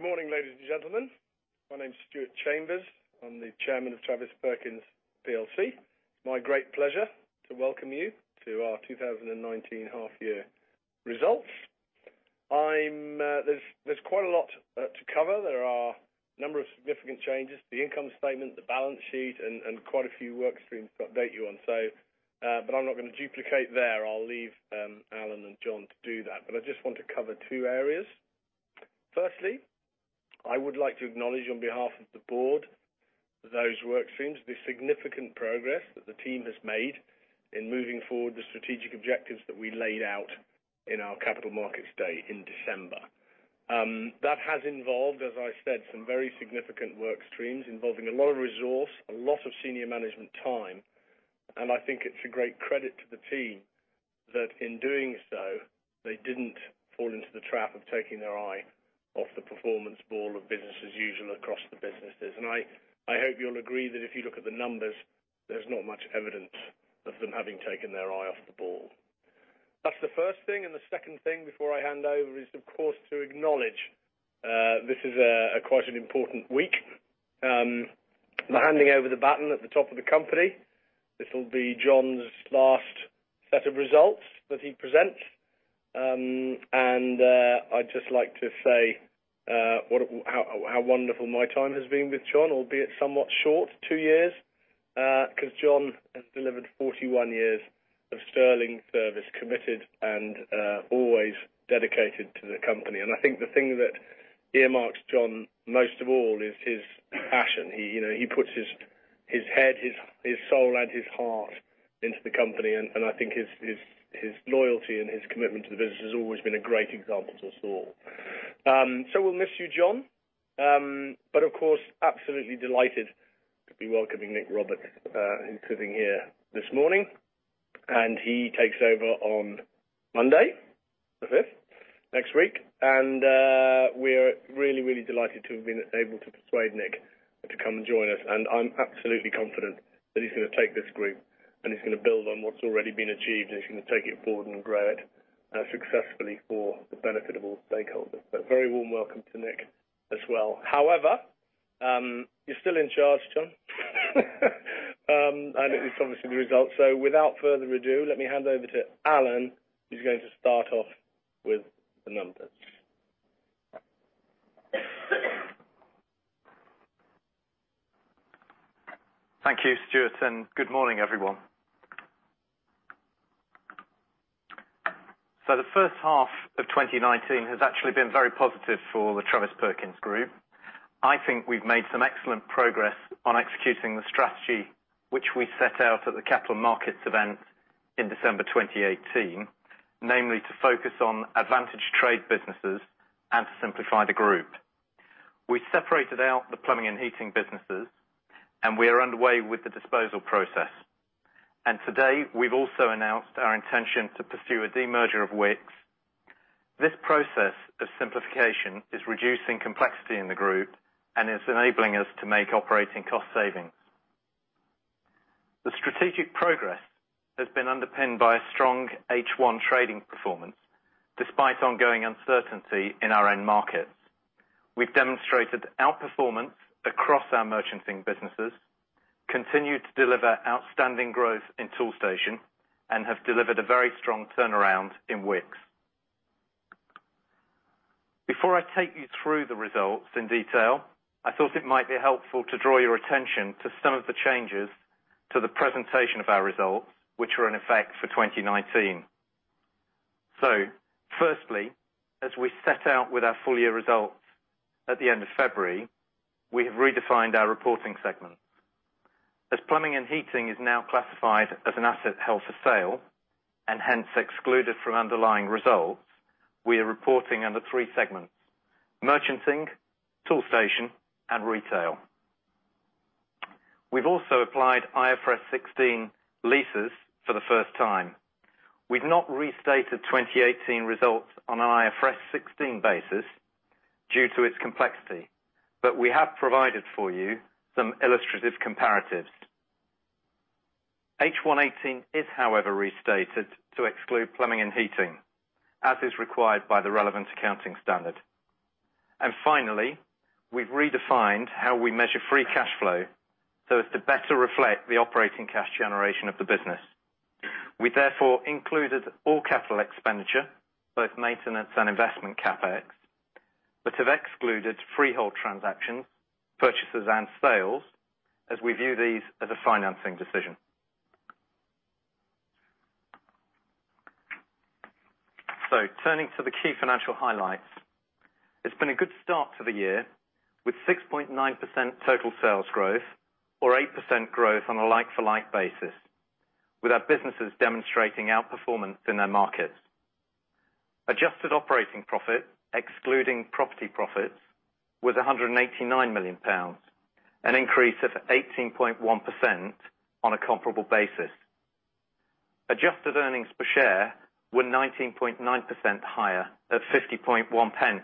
Good morning, ladies and gentlemen. My name is Stuart Chambers. I'm the Chairman of Travis Perkins PLC. It's my great pleasure to welcome you to our 2019 half year results. There's quite a lot to cover. There are a number of significant changes, the income statement, the balance sheet, and quite a few work streams to update you on. I'm not going to duplicate there. I'll leave Alan and John to do that. I just want to cover two areas. Firstly, I would like to acknowledge on behalf of the board those work streams, the significant progress that the team has made in moving forward the strategic objectives that we laid out in our Capital Markets Day in December. That has involved, as I said, some very significant work streams involving a lot of resource, a lot of senior management time, and I think it's a great credit to the team that in doing so, they didn't fall into the trap of taking their eye off the performance ball of business as usual across the businesses. I hope you'll agree that if you look at the numbers, there's not much evidence of them having taken their eye off the ball. That's the first thing, and the second thing before I hand over is, of course, to acknowledge this is quite an important week. I'm handing over the baton at the top of the company. This will be John's last set of results that he presents. I'd just like to say how wonderful my time has been with John, albeit somewhat short, two years, because John has delivered 41 years of sterling service, committed and always dedicated to the company. I think the thing that earmarks John, most of all, is his passion. He puts his head, his soul, and his heart into the company, and I think his loyalty and his commitment to the business has always been a great example to us all. We'll miss you, John. Of course, absolutely delighted to be welcoming Nick Roberts into the team here this morning, and he takes over on Monday the 5th, next week. We are really delighted to have been able to persuade Nick to come and join us. I'm absolutely confident that he's going to take this group, and he's going to build on what's already been achieved, and he's going to take it forward and grow it successfully for the benefit of all stakeholders. Very warm welcome to Nick as well. However, you're still in charge, John. It's obviously the results. Without further ado, let me hand over to Alan, who's going to start off with the numbers. Thank you, Stuart, and good morning, everyone. The first half of 2019 has actually been very positive for the Travis Perkins group. I think we've made some excellent progress on executing the strategy which we set out at the capital markets event in December 2018, namely to focus on advantage trade businesses and to simplify the group. We separated out the plumbing and heating businesses, and we are underway with the disposal process. Today, we've also announced our intention to pursue a demerger of Wickes. This process of simplification is reducing complexity in the group and is enabling us to make operating cost savings. The strategic progress has been underpinned by a strong H1 trading performance despite ongoing uncertainty in our own markets. We've demonstrated outperformance across our merchanting businesses, continued to deliver outstanding growth in Toolstation, and have delivered a very strong turnaround in Wickes. Before I take you through the results in detail, I thought it might be helpful to draw your attention to some of the changes to the presentation of our results, which are in effect for 2019. Firstly, as we set out with our full year results at the end of February, we have redefined our reporting segments. As Plumbing & Heating is now classified as an asset held for sale and hence excluded from underlying results, we are reporting under three segments, Merchanting, Toolstation, and Retail. We've also applied IFRS 16 leases for the first time. We've not restated 2018 results on an IFRS 16 basis due to its complexity, but we have provided for you some illustrative comparatives. H1 2018 is, however, restated to exclude Plumbing & Heating as is required by the relevant accounting standard. Finally, we've redefined how we measure free cash flow so as to better reflect the operating cash generation of the business. We therefore included all capital expenditure, both maintenance and investment CapEx, but have excluded freehold transactions, purchases, and sales as we view these as a financing decision. Turning to the key financial highlights. It's been a good start to the year with 6.9% total sales growth or 8% growth on a like-for-like basis with our businesses demonstrating outperformance in their markets. Adjusted operating profit, excluding property profits, was 189 million pounds, an increase of 18.1% on a comparable basis. Adjusted earnings per share were 19.9% higher at 0.501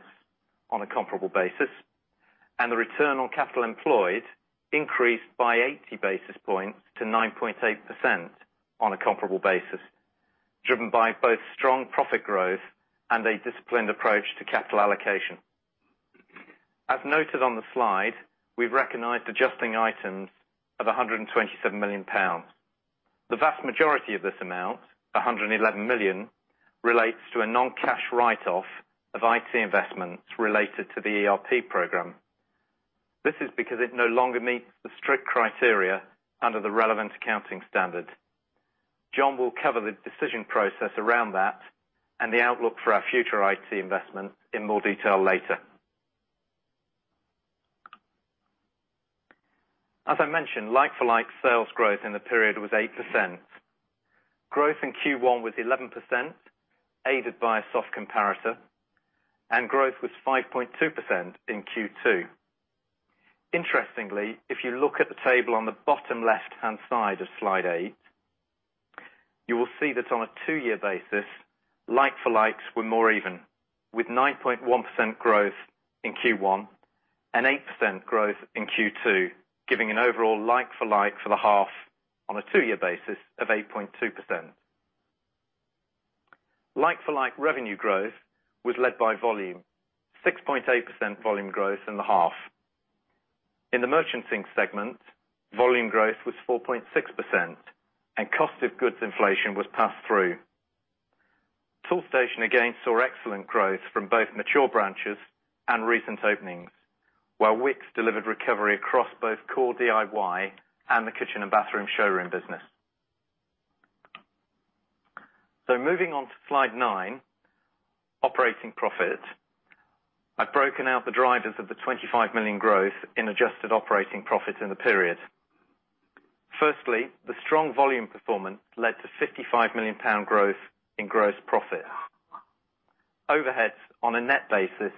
on a comparable basis. The return on capital employed increased by 80 basis points to 9.8% on a comparable basis, driven by both strong profit growth and a disciplined approach to capital allocation. As noted on the slide, we've recognized adjusting items of GBP 127 million. The vast majority of this amount, GBP 111 million, relates to a non-cash write-off of IT investments related to the ERP program. This is because it no longer meets the strict criteria under the relevant accounting standard. John will cover the decision process around that and the outlook for our future IT investments in more detail later. As I mentioned, like-for-like sales growth in the period was 8%. Growth in Q1 was 11%, aided by a soft comparator, and growth was 5.2% in Q2. Interestingly, if you look at the table on the bottom left-hand side of slide eight, you will see that on a two-year basis, like-for-likes were more even, with 9.1% growth in Q1 and 8% growth in Q2, giving an overall like-for-like for the half on a two-year basis of 8.2%. Like-for-like revenue growth was led by volume, 6.8% volume growth in the half. In the merchanting segment, volume growth was 4.6%, and cost of goods inflation was passed through. Toolstation again saw excellent growth from both mature branches and recent openings, while Wickes delivered recovery across both core DIY and the kitchen and bathroom showroom business. Moving on to slide nine, operating profit. I've broken out the drivers of the 25 million growth in adjusted operating profit in the period. Firstly, the strong volume performance led to 55 million pound growth in gross profit. Overheads on a net basis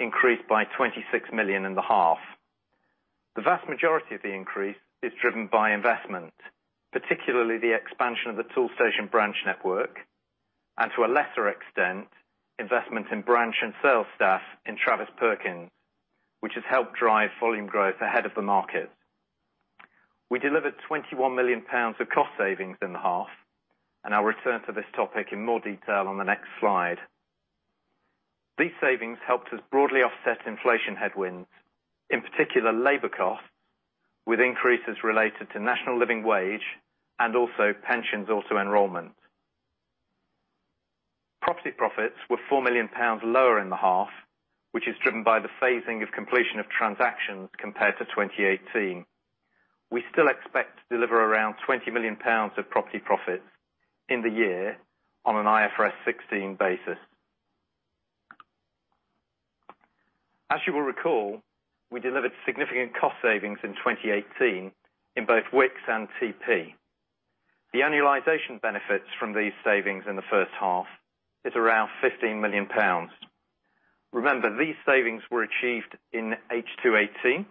increased by 26 million in the half. The vast majority of the increase is driven by investment, particularly the expansion of the Toolstation branch network, and to a lesser extent, investment in branch and sales staff in Travis Perkins, which has helped drive volume growth ahead of the market. We delivered 21 million pounds of cost savings in the half. I'll return to this topic in more detail on the next slide. These savings helped us broadly offset inflation headwinds, in particular labor costs, with increases related to National Living Wage and also pensions auto-enrollment. Property profits were 4 million pounds lower in the half, which is driven by the phasing of completion of transactions compared to 2018. We still expect to deliver around 20 million pounds of property profits in the year on an IFRS 16 basis. As you will recall, we delivered significant cost savings in 2018 in both Wickes and TP. The annualization benefits from these savings in the first half is around 15 million pounds. Remember, these savings were achieved in H218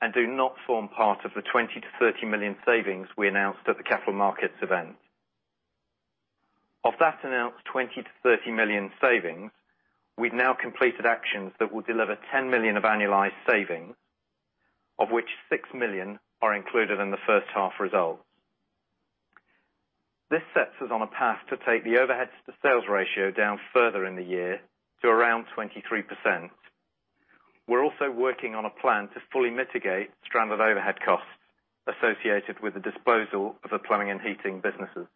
and do not form part of the 20 million-30 million savings we announced at the capital markets event. Of that announced 20 million-30 million savings, we've now completed actions that will deliver 10 million of annualized savings, of which 6 million are included in the first half results. This sets us on a path to take the overhead to sales ratio down further in the year to around 23%. We're also working on a plan to fully mitigate stranded overhead costs associated with the disposal of the Plumbing & Heating businesses.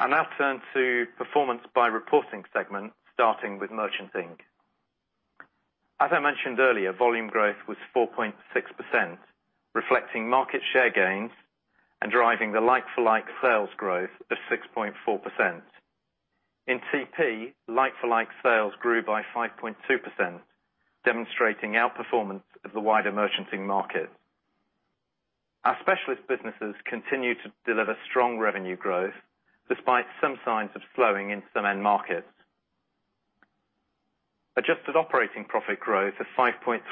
I'll now turn to performance by reporting segment, starting with merchanting. As I mentioned earlier, volume growth was 4.6%, reflecting market share gains and driving the like-for-like sales growth of 6.4%. In TP, like-for-like sales grew by 5.2%, demonstrating outperformance of the wider merchanting market. Our specialist businesses continue to deliver strong revenue growth, despite some signs of slowing in some end markets. Adjusted operating profit growth of 5.3%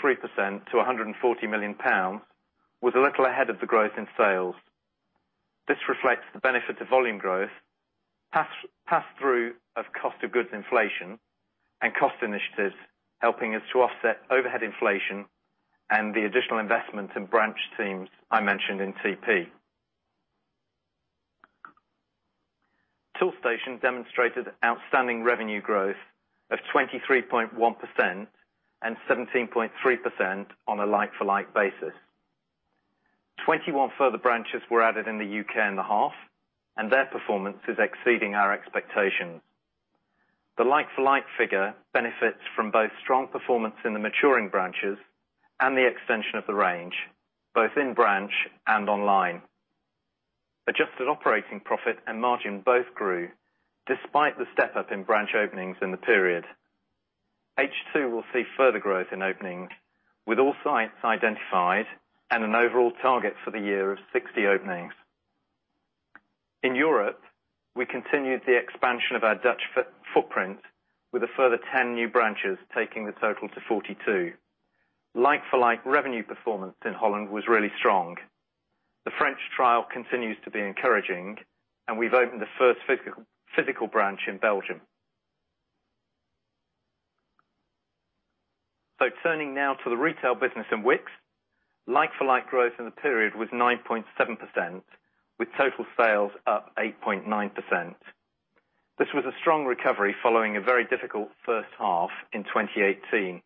to 140 million pounds was a little ahead of the growth in sales. This reflects the benefit of volume growth, pass-through of cost of goods inflation, and cost initiatives helping us to offset overhead inflation and the additional investment in branch teams I mentioned in TP. Toolstation demonstrated outstanding revenue growth of 23.1% and 17.3% on a like-for-like basis. 21 further branches were added in the U.K. in the half, and their performance is exceeding our expectations. The like-for-like figure benefits from both strong performance in the maturing branches and the extension of the range, both in branch and online. Adjusted operating profit and margin both grew despite the step-up in branch openings in the period. H2 will see further growth in openings with all sites identified and an overall target for the year of 60 openings. In Europe, we continued the expansion of our Dutch footprint with a further 10 new branches, taking the total to 42. Like-for-like revenue performance in Holland was really strong. The French trial continues to be encouraging, we've opened the first physical branch in Belgium. Turning now to the retail business in Wickes, like-for-like growth in the period was 9.7%, with total sales up 8.9%. This was a strong recovery following a very difficult first half in 2018.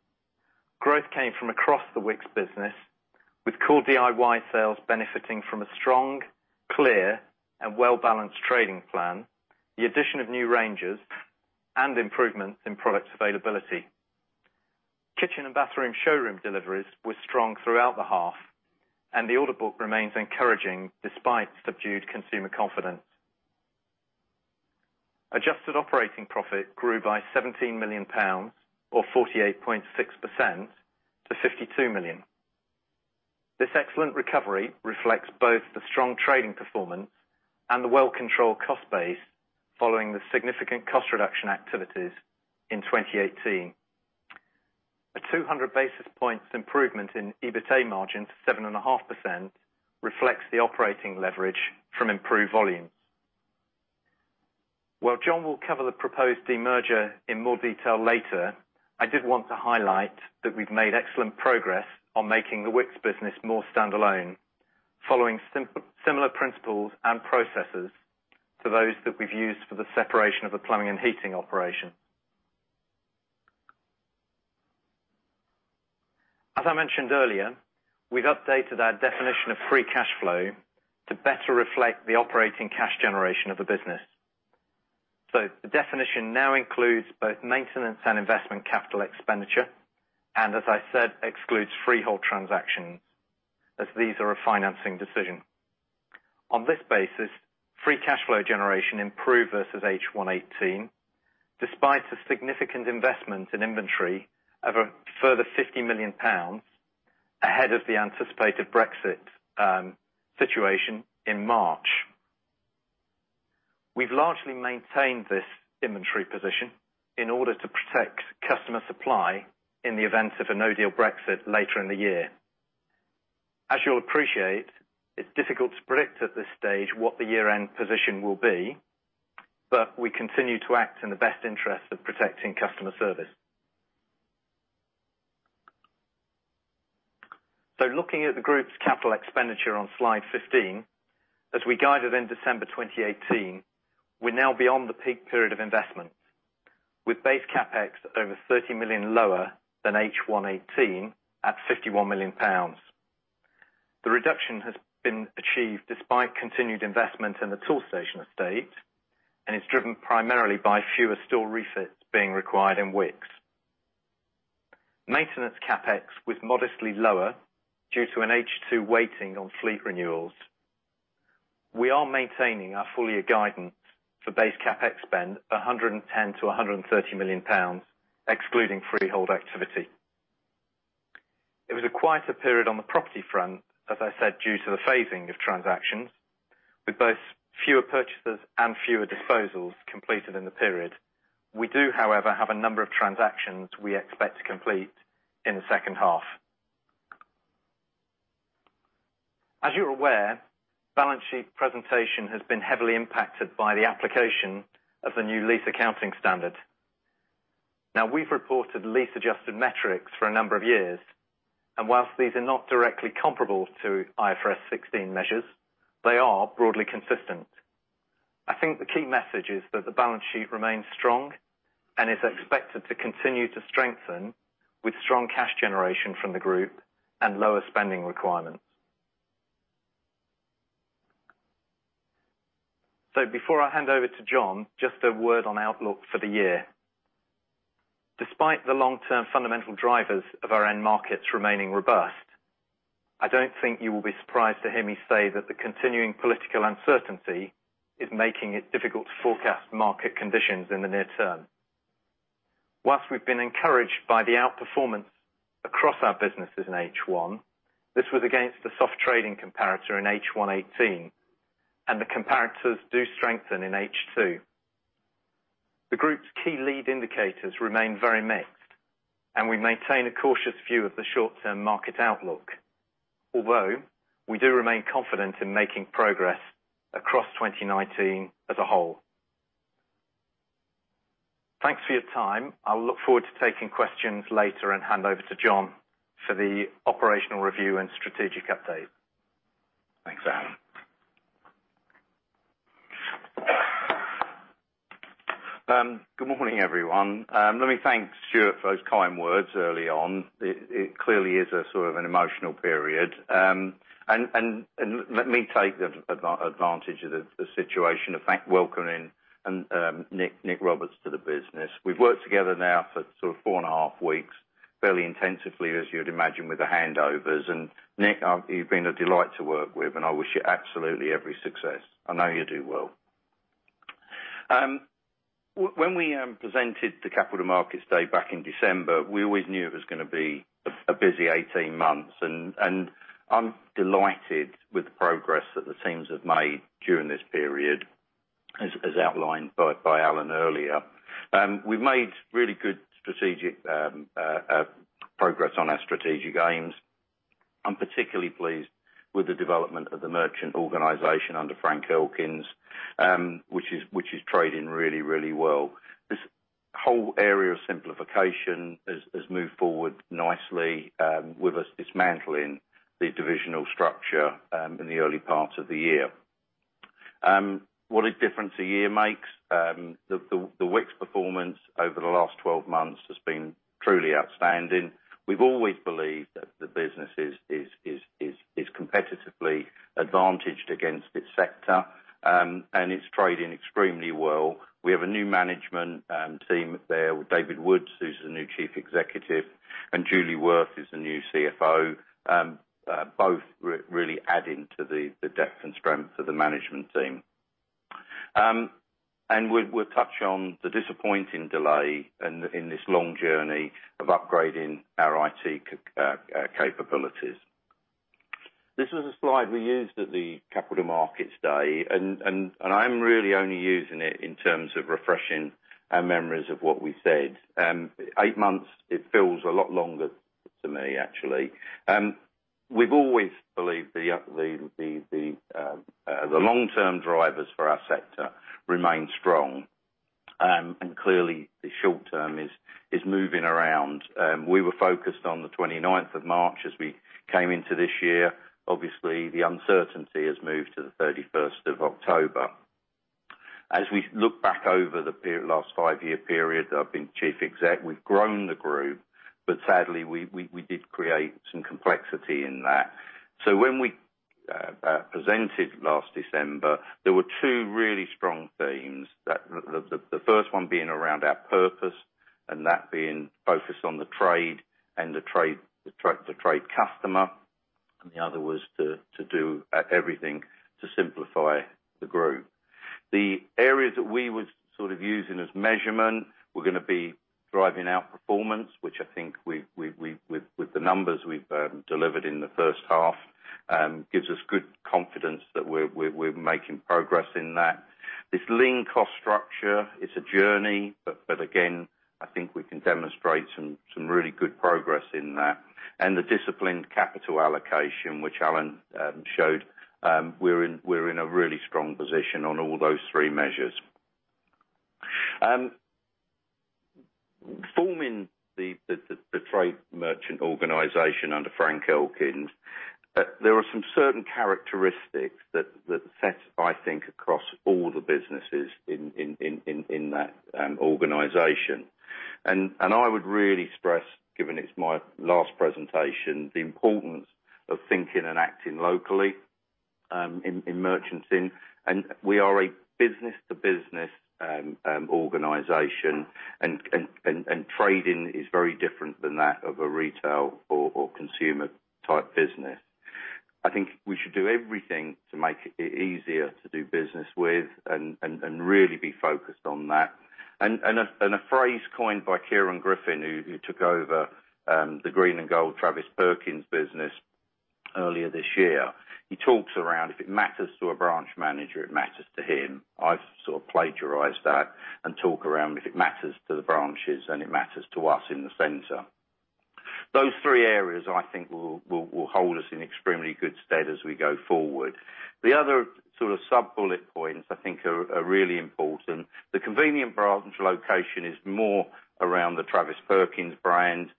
Growth came from across the Wickes business, with core DIY sales benefiting from a strong, clear and well-balanced trading plan, the addition of new ranges, and improvements in product availability. Kitchen and bathroom showroom deliveries were strong throughout the half, and the order book remains encouraging despite subdued consumer confidence. Adjusted operating profit grew by GBP 17 million, or 48.6%, to GBP 52 million. This excellent recovery reflects both the strong trading performance and the well-controlled cost base following the significant cost reduction activities in 2018. A 200 basis points improvement in EBITA margin to 7.5% reflects the operating leverage from improved volumes. While John will cover the proposed de-merger in more detail later, I did want to highlight that we've made excellent progress on making the Wickes business more standalone, following similar principles and processes to those that we've used for the separation of the Plumbing & Heating operation. As I mentioned earlier, we've updated our definition of free cash flow to better reflect the operating cash generation of the business. The definition now includes both maintenance and investment capital expenditure, and as I said, excludes freehold transactions, as these are a financing decision. On this basis, free cash flow generation improved versus H1 2018, despite a significant investment in inventory of a further 50 million pounds ahead of the anticipated Brexit situation in March. We've largely maintained this inventory position in order to protect customer supply in the event of a no-deal Brexit later in the year. As you'll appreciate, it's difficult to predict at this stage what the year-end position will be, but we continue to act in the best interest of protecting customer service. Looking at the group's capital expenditure on slide 15, as we guided in December 2018, we are now beyond the peak period of investment, with base CapEx over 30 million lower than H1 2018 at 51 million pounds. The reduction has been achieved despite continued investment in the Toolstation estate and is driven primarily by fewer store refits being required in Wickes. Maintenance CapEx was modestly lower due to an H2 weighting on fleet renewals. We are maintaining our full-year guidance for base CapEx spend, 110 million-130 million pounds, excluding freehold activity. It was a quieter period on the property front, as I said, due to the phasing of transactions, with both fewer purchases and fewer disposals completed in the period. We do, however, have a number of transactions we expect to complete in the second half. As you're aware, balance sheet presentation has been heavily impacted by the application of the new lease accounting standard. We've reported lease-adjusted metrics for a number of years, and whilst these are not directly comparable to IFRS 16 measures, they are broadly consistent. I think the key message is that the balance sheet remains strong and is expected to continue to strengthen with strong cash generation from the group and lower spending requirements. Before I hand over to John, just a word on outlook for the year. Despite the long-term fundamental drivers of our end markets remaining robust, I don't think you will be surprised to hear me say that the continuing political uncertainty is making it difficult to forecast market conditions in the near term. Whilst we've been encouraged by the outperformance across our businesses in H1, this was against a soft trading comparator in H1 2018, and the comparators do strengthen in H2. The group's key lead indicators remain very mixed, and we maintain a cautious view of the short-term market outlook. Although, we do remain confident in making progress across 2019 as a whole. Thanks for your time. I'll look forward to taking questions later and hand over to John for the operational review and strategic update. Thanks, Alan. Good morning, everyone. Let me thank Stuart for those kind words early on. It clearly is a sort of an emotional period. Let me take advantage of the situation, in fact, welcoming Nick Roberts to the business. We've worked together now for sort of four and a half weeks, fairly intensively, as you would imagine, with the handovers. Nick, you've been a delight to work with, and I wish you absolutely every success. I know you'll do well. When we presented the Capital Markets Day back in December, we always knew it was going to be a busy 18 months, and I'm delighted with the progress that the teams have made during this period. As outlined by Alan earlier, we've made really good strategic progress on our strategic aims. I'm particularly pleased with the development of the merchant organization under Frank Elkins, which is trading really, really well. This whole area of simplification has moved forward nicely with us dismantling the divisional structure in the early part of the year. What a difference a year makes. The Wickes performance over the last 12 months has been truly outstanding. We've always believed that the business is competitively advantaged against its sector, and it's trading extremely well. We have a new management team there with David Wood, who's the new Chief Executive, and Julie Wirth, who's the new CFO, both really adding to the depth and strength of the management team. We'll touch on the disappointing delay in this long journey of upgrading our IT capabilities. This was a slide we used at the Capital Markets Day, and I'm really only using it in terms of refreshing our memories of what we said. Eight months, it feels a lot longer to me, actually. We've always believed the long-term drivers for our sector remain strong, and clearly, the short term is moving around. We were focused on the 29th of March as we came into this year. Obviously, the uncertainty has moved to the 31st of October. As we look back over the last five-year period that I've been chief exec, we've grown the group, but sadly, we did create some complexity in that. When we presented last December, there were two really strong themes, the first one being around our purpose and that being focused on the trade and the trade customer, and the other was to do everything to simplify the group. The areas that we were sort of using as measurement were going to be driving out performance, which I think with the numbers we've delivered in the first half, gives us good confidence that we're making progress in that. This lean cost structure, it's a journey, but again, I think we can demonstrate some really good progress in that. The disciplined capital allocation, which Alan showed, we're in a really strong position on all those three measures. Forming the trade merchant organization under Frank Elkins, there are some certain characteristics that set, I think, across all the businesses in that organization. I would really stress, given it's my last presentation, the importance of thinking and acting locally in merchanting, and we are a business-to-business organization, and trading is very different than that of a retail or consumer-type business. I think we should do everything to make it easier to do business with and really be focused on that. A phrase coined by Kieran Griffin, who took over the green and gold Travis Perkins business earlier this year, he talks around if it matters to a branch manager, it matters to him. I've sort of plagiarized that and talk around if it matters to the branches, then it matters to us in the center. Those three areas, I think, will hold us in extremely good stead as we go forward. The other sort of sub-bullet points I think are really important. The convenient branch location is more around the Travis Perkins brand.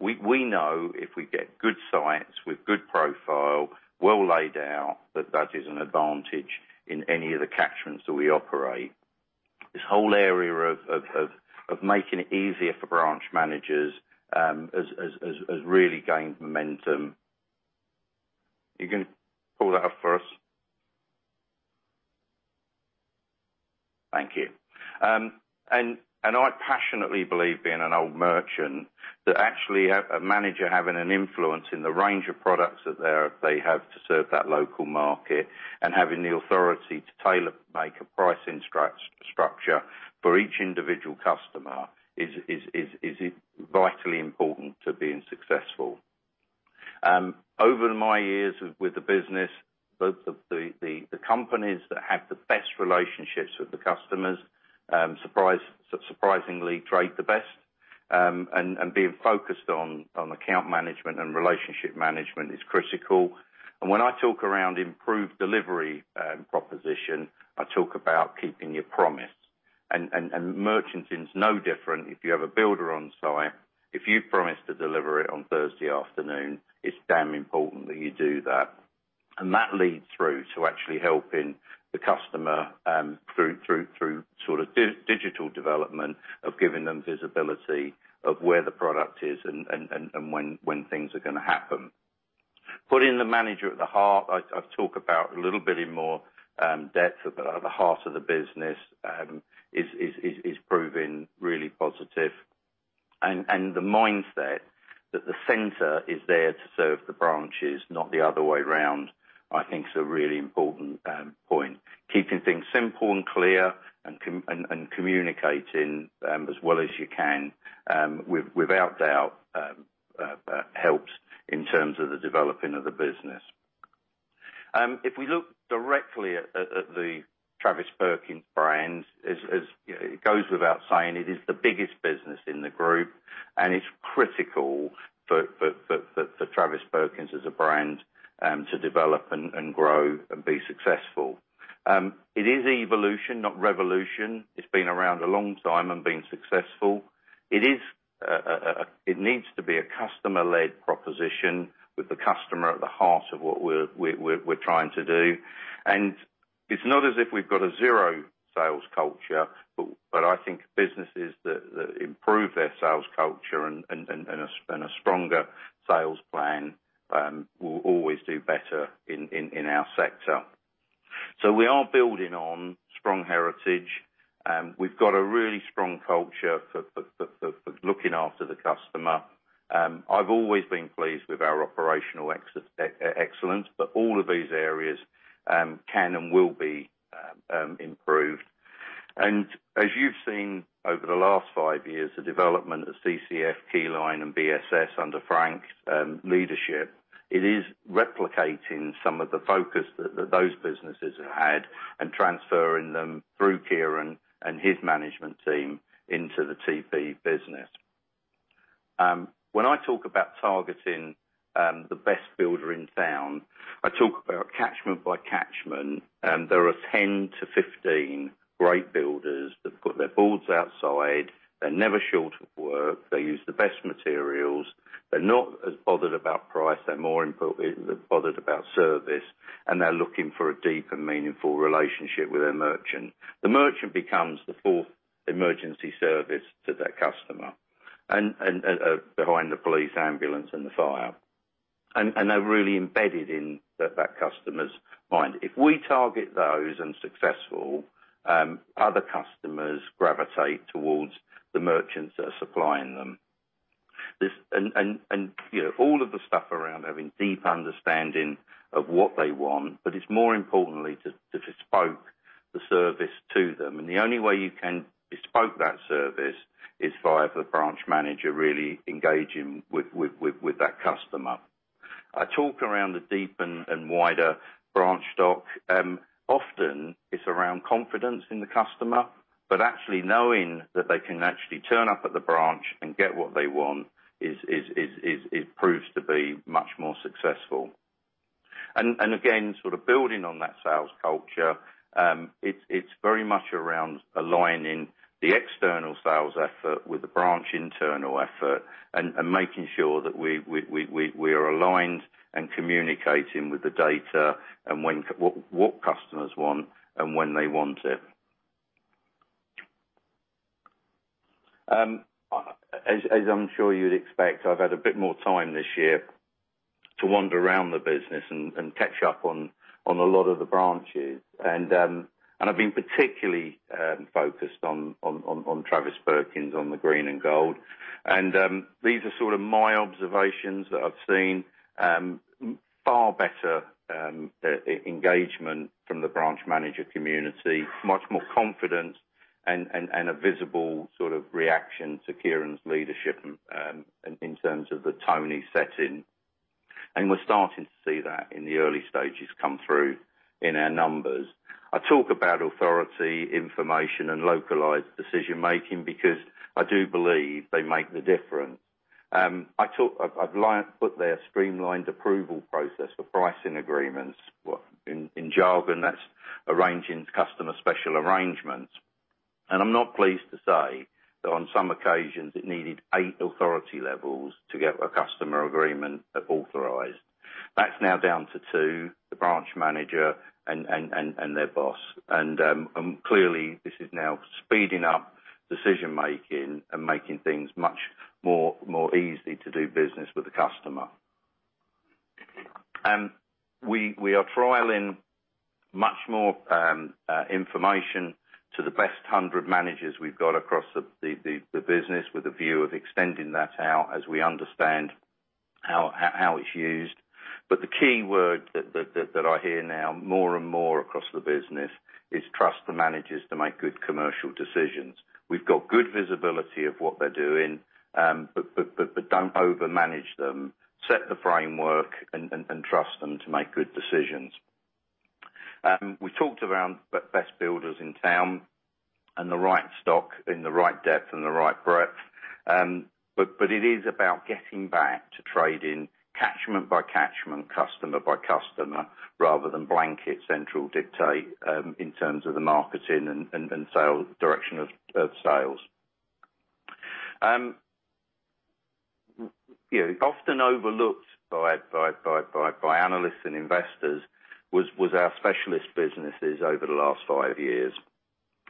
We know if we get good sites with good profile, well laid out, that is an advantage in any of the catchments that we operate. This whole area of making it easier for branch managers has really gained Momentum. You going to pull that up for us? Thank you. I passionately believe, being an old merchant, that actually a manager having an influence in the range of products that they have to serve that local market and having the authority to tailor make a pricing structure for each individual customer is vitally important to being successful. Over my years with the business, the companies that have the best relationships with the customers surprisingly trade the best, and being focused on account management and relationship management is critical. When I talk around improved delivery proposition, I talk about keeping your promise. Merchanting is no different. If you have a builder on-site, if you promise to deliver it on Thursday afternoon, it's damn important that you do that. That leads through to actually helping the customer through sort of digital development, of giving them visibility of where the product is and when things are going to happen. Putting the manager at the heart, I talk about a little bit in more depth, at the heart of the business, is proving really positive. The mindset that the center is there to serve the branches, not the other way around, I think is a really important point. Keeping things simple and clear. Communicating as well as you can, without doubt, helps in terms of the developing of the business. If we look directly at the Travis Perkins brand, it goes without saying, it is the biggest business in the group, and it is critical for Travis Perkins, as a brand, to develop and grow and be successful. It is evolution, not revolution. It's been around a long time and been successful. It needs to be a customer-led proposition with the customer at the heart of what we're trying to do. It's not as if we've got a zero sales culture. I think businesses that improve their sales culture and a stronger sales plan will always do better in our sector. We are building on strong heritage. We've got a really strong culture for looking after the customer. I've always been pleased with our operational excellence. All of these areas can and will be improved. As you've seen over the last five years, the development of CCF, Keyline, and BSS under Frank's leadership, it is replicating some of the focus that those businesses have had and transferring them through Kieran and his management team into the TP business. When I talk about targeting the best builder in town, I talk about catchment by catchment. There are 10 to 15 great builders that have got their boards outside. They're never short of work. They use the best materials. They're not as bothered about price. They're more bothered about service, and they're looking for a deep and meaningful relationship with their merchant. The merchant becomes the fourth emergency service to that customer, behind the police, ambulance, and the fire. They're really embedded in that customer's mind. If we target those and successful, other customers gravitate towards the merchants that are supplying them. All of the stuff around having deep understanding of what they want, but it's more importantly to bespoke the service to them. The only way you can bespoke that service is via the branch manager really engaging with that customer. I talk around the deep and wider branch stock. Often it's around confidence in the customer, but actually knowing that they can actually turn up at the branch and get what they want proves to be much more successful. Again, building on that sales culture, it's very much around aligning the external sales effort with the branch internal effort and making sure that we are aligned and communicating with the data and what customers want and when they want it. As I'm sure you'd expect, I've had a bit more time this year to wander around the business and catch up on a lot of the branches. I've been particularly focused on Travis Perkins, on the green and gold. These are my observations that I've seen far better engagement from the branch manager community, much more confidence, and a visible reaction to Kieran's leadership in terms of the tone he's setting. We're starting to see that in the early stages come through in our numbers. I talk about authority, information, and localized decision-making because I do believe they make the difference. I've put their streamlined approval process for pricing agreements. In jargon, that's arranging customer special arrangements. I'm not pleased to say that on some occasions it needed 8 authority levels to get a customer agreement authorized. That's now down to 2, the branch manager and their boss. Clearly, this is now speeding up decision-making and making things much more easy to do business with the customer. We are trialing much more information to the best 100 managers we've got across the business with a view of extending that out as we understand how it's used. The key word that I hear now more and more across the business is trust the managers to make good commercial decisions. We've got good visibility of what they're doing, but don't over-manage them. Set the framework and trust them to make good decisions. We talked around Best Builders in Town and the right stock in the right depth and the right breadth. It is about getting back to trading catchment by catchment, customer by customer, rather than blanket central dictate in terms of the marketing and direction of sales. Often overlooked by analysts and investors was our specialist businesses over the last five years.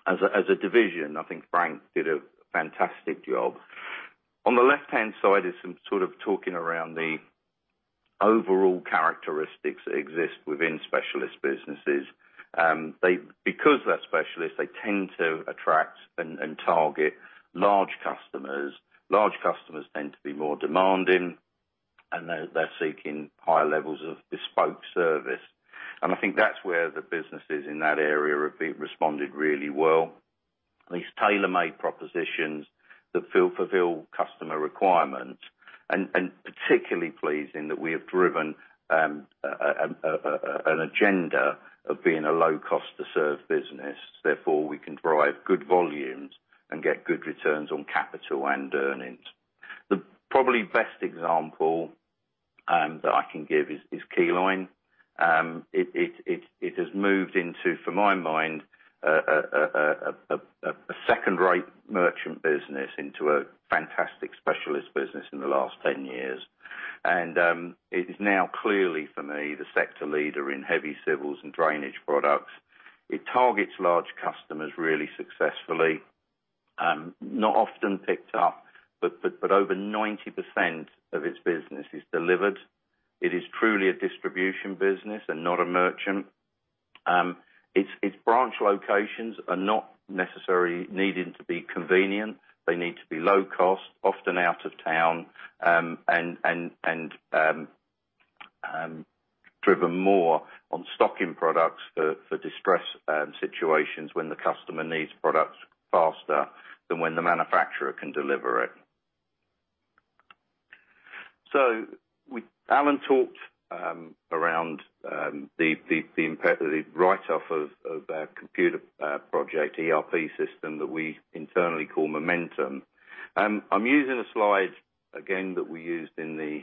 As a division, I think Frank did a fantastic job. On the left-hand side is some sort of talking around the overall characteristics that exist within specialist businesses. They're specialists, they tend to attract and target large customers. Large customers tend to be more demanding. They're seeking higher levels of bespoke service. I think that's where the businesses in that area have responded really well. These tailor-made propositions that fulfill customer requirements. Particularly pleasing that we have driven an agenda of being a low cost to serve business. We can drive good volumes and get good returns on capital and earnings. The probably best example that I can give is Keyline. It has moved into, for my mind, a second-rate merchant business into a fantastic specialist business in the last 10 years. It is now clearly for me, the sector leader in heavy civils and drainage products. It targets large customers really successfully, not often picked up, but over 90% of its business is delivered. It is truly a distribution business and not a merchant. Its branch locations are not necessarily needing to be convenient. They need to be low cost, often out of town, and driven more on stocking products for distress situations when the customer needs products faster than when the manufacturer can deliver it. Alan talked around the write off of our computer project, ERP system that we internally call Momentum. I'm using a slide again that we used in the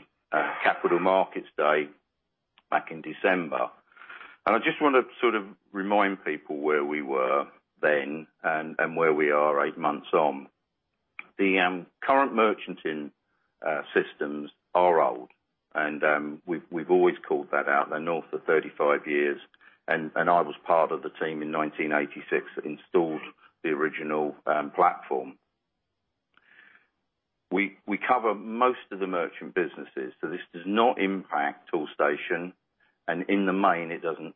Capital Markets Day back in December. I just want to sort of remind people where we were then and where we are eight months on. The current merchanting systems are old, we've always called that out. They're north of 35 years, I was part of the team in 1986 that installed the original platform. We cover most of the merchant businesses, so this does not impact Toolstation, and in the main, it doesn't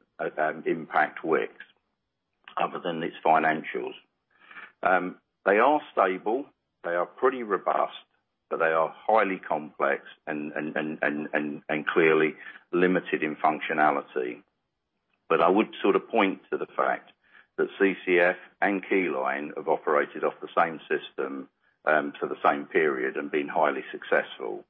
impact Wickes other than its financials. They are stable, they are pretty robust, but they are highly complex and clearly limited in functionality. I would sort of point to the fact that CCF and Keyline have operated off the same system for the same period and been highly successful.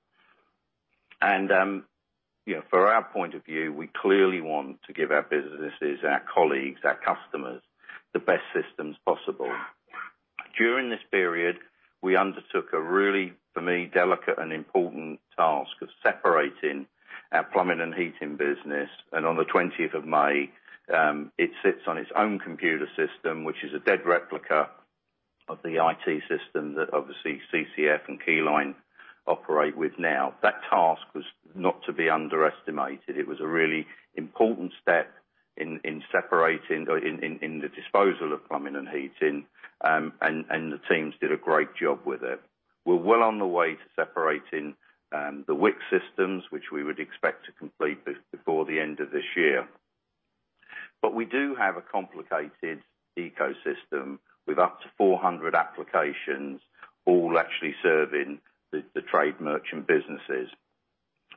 From our point of view, we clearly want to give our businesses, our colleagues, our customers, the best systems possible. During this period, we undertook a really, for me, delicate and important task of separating our Plumbing & Heating business, and on the 20th of May, it sits on its own computer system, which is a dead replica of the IT system that obviously CCF and Keyline operate with now. That task was not to be underestimated. It was a really important step in separating, in the disposal of Plumbing & Heating. The teams did a great job with it. We're well on the way to separating the Wickes systems, which we would expect to complete before the end of this year. We do have a complicated ecosystem with up to 400 applications all actually serving the trade merchant businesses.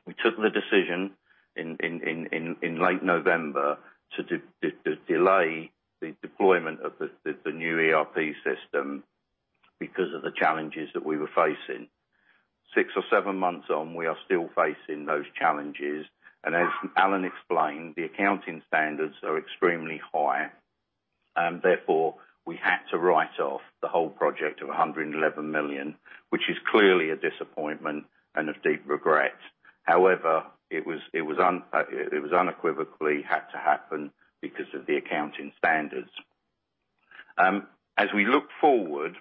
We took the decision in late November to delay the deployment of the new ERP system because of the challenges that we were facing. Six or seven months on, we are still facing those challenges, and as Alan explained, the accounting standards are extremely high. Therefore, we had to write off the whole project of 111 million, which is clearly a disappointment and of deep regret. However, it was unequivocally had to happen because of the accounting standards. As we look forward,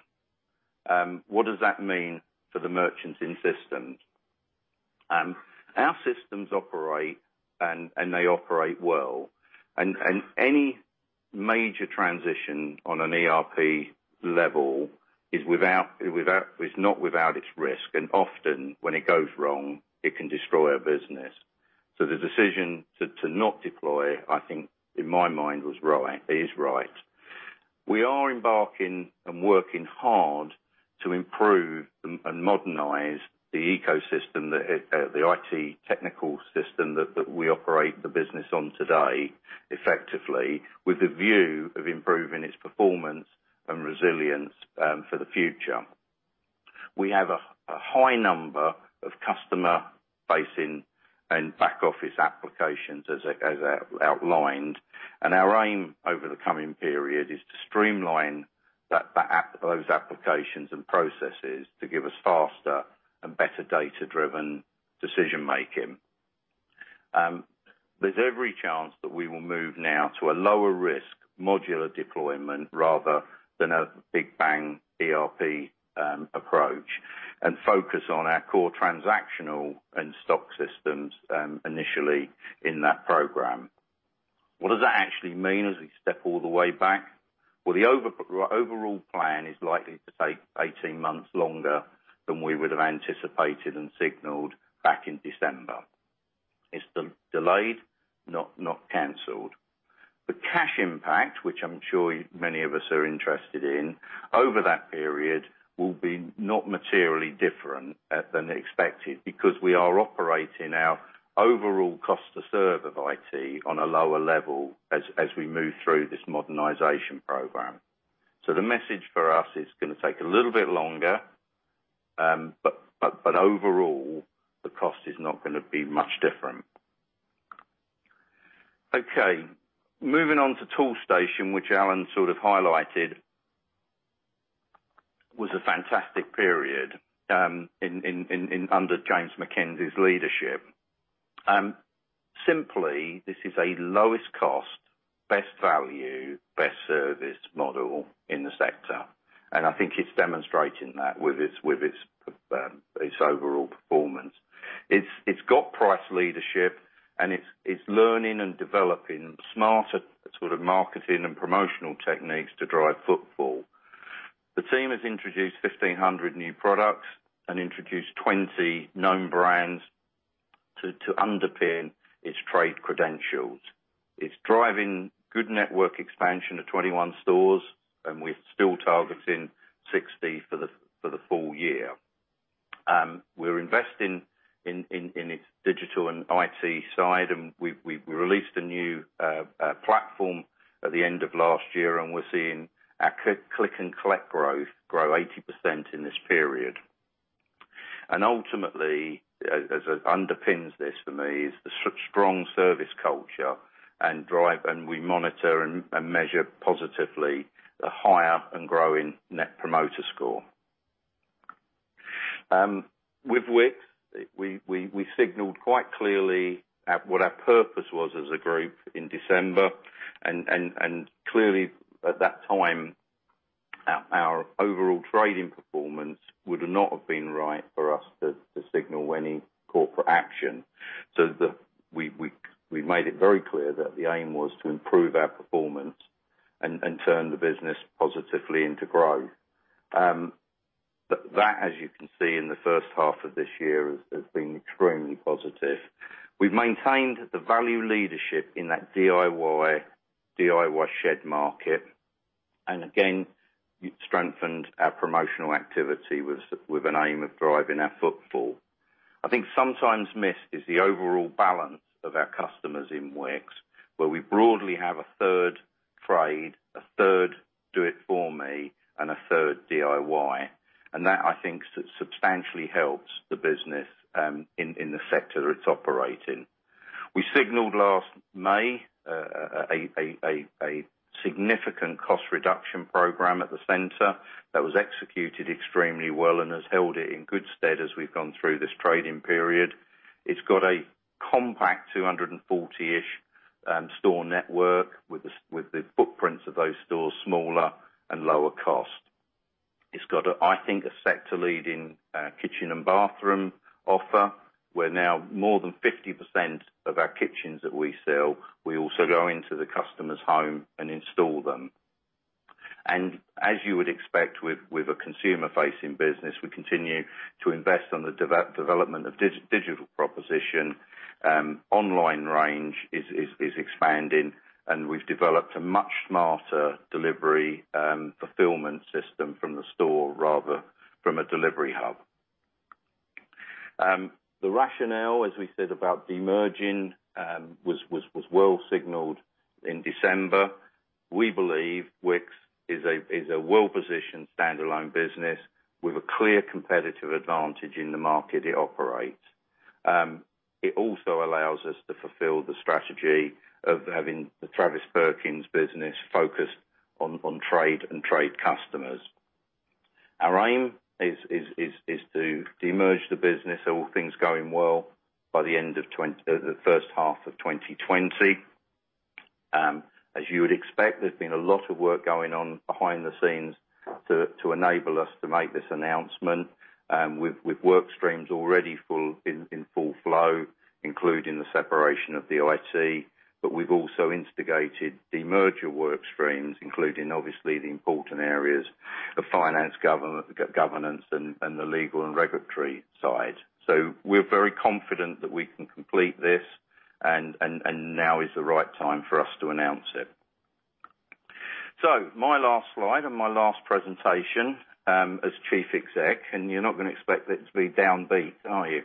what does that mean for the merchanting systems? Our systems operate, and they operate well. Any major transition on an ERP level is not without its risk, and often when it goes wrong, it can destroy our business. The decision to not deploy, I think in my mind was right, is right. We are embarking and working hard to improve and modernize the ecosystem, the IT technical system that we operate the business on today effectively, with a view of improving its performance and resilience for the future. We have a high number of customer-facing and back office applications as outlined, and our aim over the coming period is to streamline those applications and processes to give us faster and better data-driven decision making. There's every chance that we will move now to a lower risk modular deployment rather than a big bang ERP approach and focus on our core transactional and stock systems initially in that program. What does that actually mean as we step all the way back? Well, the overall plan is likely to take 18 months longer than we would have anticipated and signaled back in December. It's delayed, not canceled. The cash impact, which I'm sure many of us are interested in, over that period, will be not materially different than expected, because we are operating our overall cost to serve of IT on a lower level as we move through this modernization program. The message for us, it's going to take a little bit longer, but overall, the cost is not going to be much different. Moving on to Toolstation, which Alan highlighted, was a fantastic period under James Mackenzie's leadership. Simply, this is a lowest cost, best value, best service model in the sector, and I think it's demonstrating that with its overall performance. It's got price leadership, and it's learning and developing smarter marketing and promotional techniques to drive footfall. The team has introduced 1,500 new products and introduced 20 known brands to underpin its trade credentials. It's driving good network expansion to 21 stores, and we're still targeting 60 for the full year. We're investing in its digital and IT side, and we released a new platform at the end of last year, and we're seeing our click and collect growth grow 80% in this period. Ultimately, as it underpins this for me, is the strong service culture, and we monitor and measure positively the higher and growing net promoter score. With Wickes, we signaled quite clearly what our purpose was as a group in December. Clearly at that time, our overall trading performance would not have been right for us to signal any call for action. We made it very clear that the aim was to improve our performance and turn the business positively into growth. That, as you can see in the first half of this year, has been extremely positive. We've maintained the value leadership in that DIY shed market. Again, strengthened our promotional activity with an aim of driving our footfall. I think sometimes missed is the overall balance of our customers in Wickes, where we broadly have a third trade, a third do it for me, and a third DIY. That, I think, substantially helps the business in the sector that it's operating. We signaled last May a significant cost reduction program at the center that was executed extremely well and has held it in good stead as we've gone through this trading period. It's got a compact 240-ish store network with the footprints of those stores smaller and lower cost. It's got, I think, a sector-leading kitchen and bathroom offer, where now more than 50% of our kitchens that we sell, we also go into the customer's home and install them. As you would expect with a consumer-facing business, we continue to invest on the development of digital proposition. Online range is expanding, and we've developed a much smarter delivery fulfillment system from the store rather from a delivery hub. The rationale, as we said about demerging, was well signaled in December. We believe Wickes is a well-positioned standalone business with a clear competitive advantage in the market it operates. It also allows us to fulfill the strategy of having the Travis Perkins business focused on trade and trade customers. Our aim is to demerge the business so all things going well by the end of the first half of 2020. As you would expect, there's been a lot of work going on behind the scenes to enable us to make this announcement, with work streams already in full flow, including the separation of the IT. We've also instigated the merger work streams, including obviously the important areas of finance governance and the legal and regulatory side. We're very confident that we can complete this, and now is the right time for us to announce it. My last slide and my last presentation as Chief Exec, and you're not going to expect it to be downbeat, are you?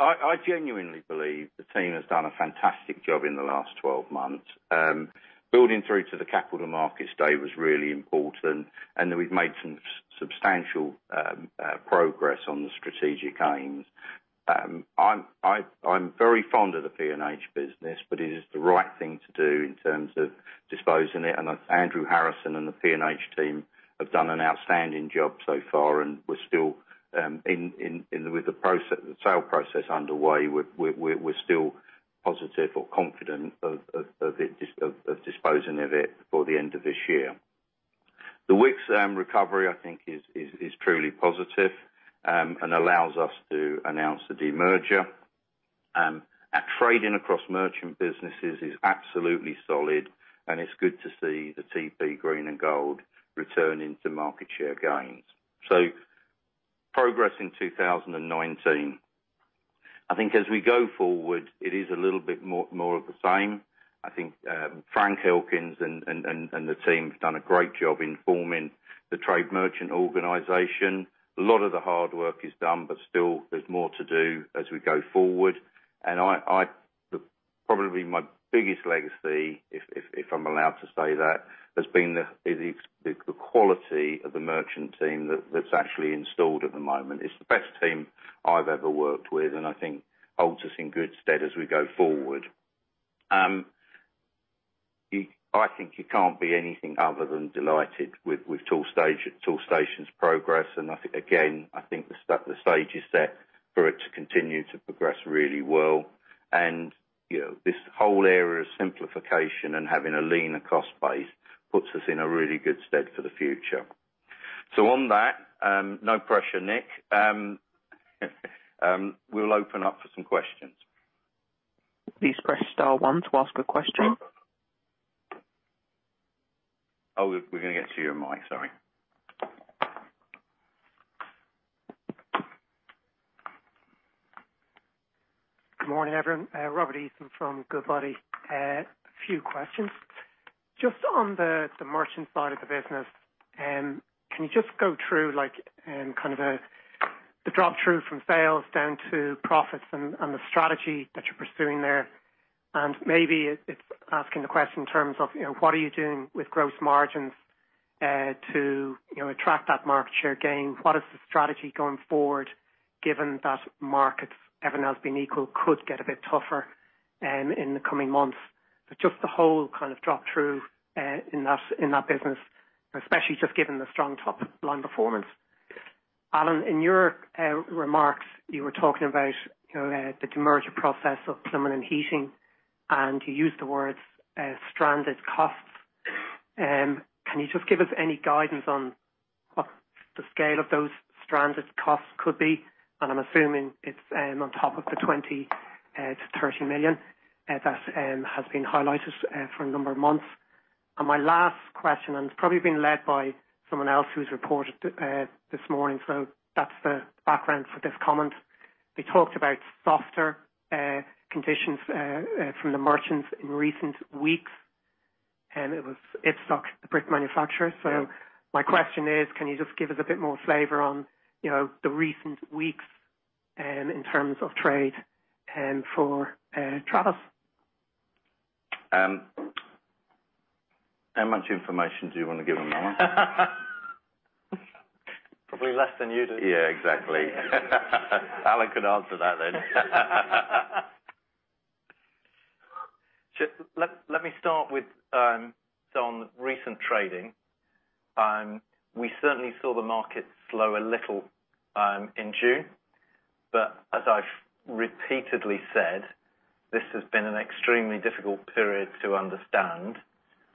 I genuinely believe the team has done a fantastic job in the last 12 months. Building through to the capital markets day was really important, and then we've made some substantial progress on the strategic aims. I'm very fond of the P&H business, but it is the right thing to do in terms of disposing it, and Andrew Harrison and the P&H team have done an outstanding job so far. With the sale process underway, we're still positive or confident of disposing of it before the end of this year. The Wickes recovery, I think, is truly positive and allows us to announce the demerger. Trading across merchant businesses is absolutely solid, and it's good to see the TP green and gold returning to market share gains. Progress in 2019. I think as we go forward, it is a little bit more of the same. I think Frank Elkins and the team have done a great job in forming the trade merchant organization. A lot of the hard work is done, but still there's more to do as we go forward. Probably my biggest legacy, if I'm allowed to say that, has been the quality of the merchant team that's actually installed at the moment. It's the best team I've ever worked with, and I think holds us in good stead as we go forward. I think you can't be anything other than delighted with Toolstation's progress. I think, again, I think the stage is set for it to continue to progress really well. This whole area of simplification and having a leaner cost base puts us in a really good stead for the future. On that, no pressure, Nick. We'll open up for some questions. Please press star one to ask a question. Oh, we're going to get to you, Mike. Sorry. Good morning, everyone. Robert Easton from Goodbody. A few questions. Just on the merchant side of the business, can you just go through the drop-through from sales down to profits and the strategy that you're pursuing there? Maybe it's asking the question in terms of what are you doing with gross margins to attract that market share gain? What is the strategy going forward given that market, if everything has been equal, could get a bit tougher in the coming months? Just the whole kind of drop-through in that business, especially just given the strong top-line performance. Alan, in your remarks, you were talking about the demerger process of Plumbing & Heating, and you used the words stranded costs. Can you just give us any guidance on what the scale of those stranded costs could be? I'm assuming it's on top of the 20 million-30 million that has been highlighted for a number of months. My last question, and it's probably been led by someone else who's reported this morning, that's the background for this comment. We talked about softer conditions from the merchants in recent weeks, and it was Ibstock, the brick manufacturer. My question is, can you just give us a bit more flavor on the recent weeks in terms of trade for Travis? How much information do you want to give them, Alan? Probably less than you do. Yeah, exactly. Alan can answer that then. Let me start with some recent trading. We certainly saw the market slow a little in June. As I've repeatedly said, this has been an extremely difficult period to understand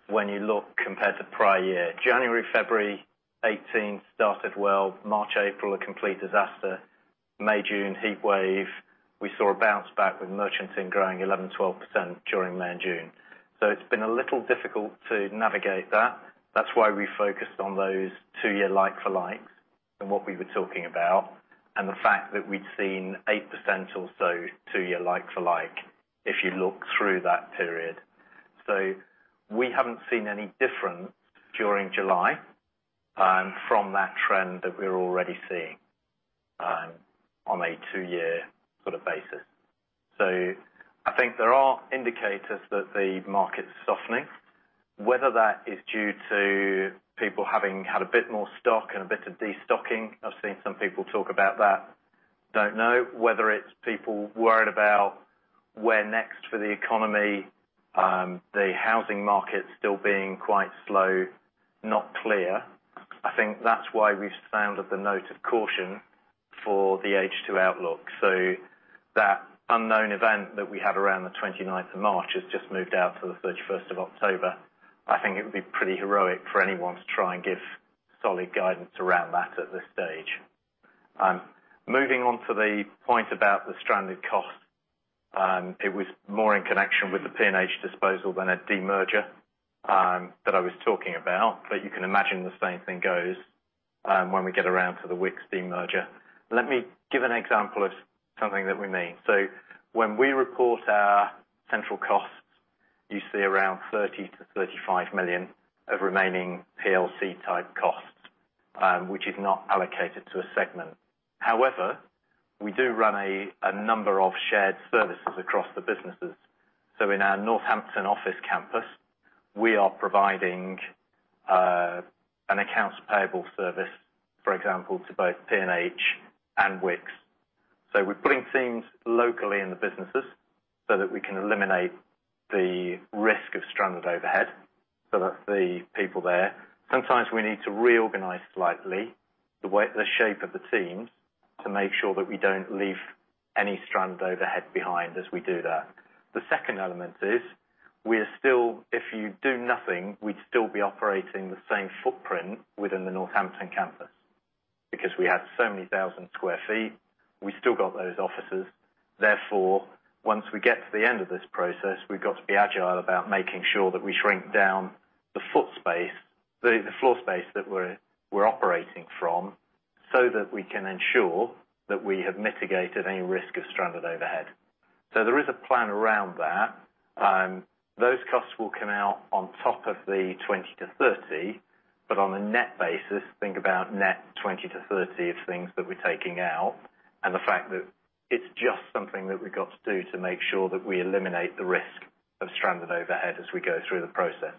when you look compared to prior year. January, February 2018 started well, March, April, a complete disaster. May, June, heat wave, we saw a bounce back with merchanting growing 11%, 12% during May and June. It's been a little difficult to navigate that. That's why we focused on those two-year like for likes in what we were talking about, and the fact that we'd seen 8% or so two-year like for like, if you look through that period. We haven't seen any difference during July from that trend that we're already seeing on a two-year sort of basis. I think there are indicators that the market's softening. Whether that is due to people having had a bit more stock and a bit of destocking, I've seen some people talk about that, don't know. Whether it's people worried about where next for the economy, the housing market still being quite slow, not clear. I think that's why we've sounded the note of caution for the H2 outlook. That unknown event that we had around the 29th of March has just moved out to the 31st of October. I think it would be pretty heroic for anyone to try and give solid guidance around that at this stage. Moving on to the point about the stranded cost, it was more in connection with the P&H disposal than a demerger that I was talking about. You can imagine the same thing goes when we get around to the Wickes demerger. Let me give an example of something that we mean. When we report our central costs, you see around 30 million-35 million of remaining PLC type costs, which is not allocated to a segment. However, we do run a number of shared services across the businesses. In our Northampton office campus, we are providing an accounts payable service, for example, to both P&H and Wickes. We're pulling teams locally in the businesses so that we can eliminate the risk of stranded overhead, so that's the people there. Sometimes we need to reorganize slightly the shape of the teams to make sure that we don't leave any stranded overhead behind as we do that. The second element is, if you do nothing, we'd still be operating the same footprint within the Northampton campus. Because we had so many thousand sq ft, we still got those offices. Once we get to the end of this process, we've got to be agile about making sure that we shrink down the floor space that we're operating from, so that we can ensure that we have mitigated any risk of stranded overhead. There is a plan around that. Those costs will come out on top of the 20-30, but on a net basis, think about net 20-30 of things that we're taking out, and the fact that it's just something that we've got to do to make sure that we eliminate the risk of stranded overhead as we go through the process.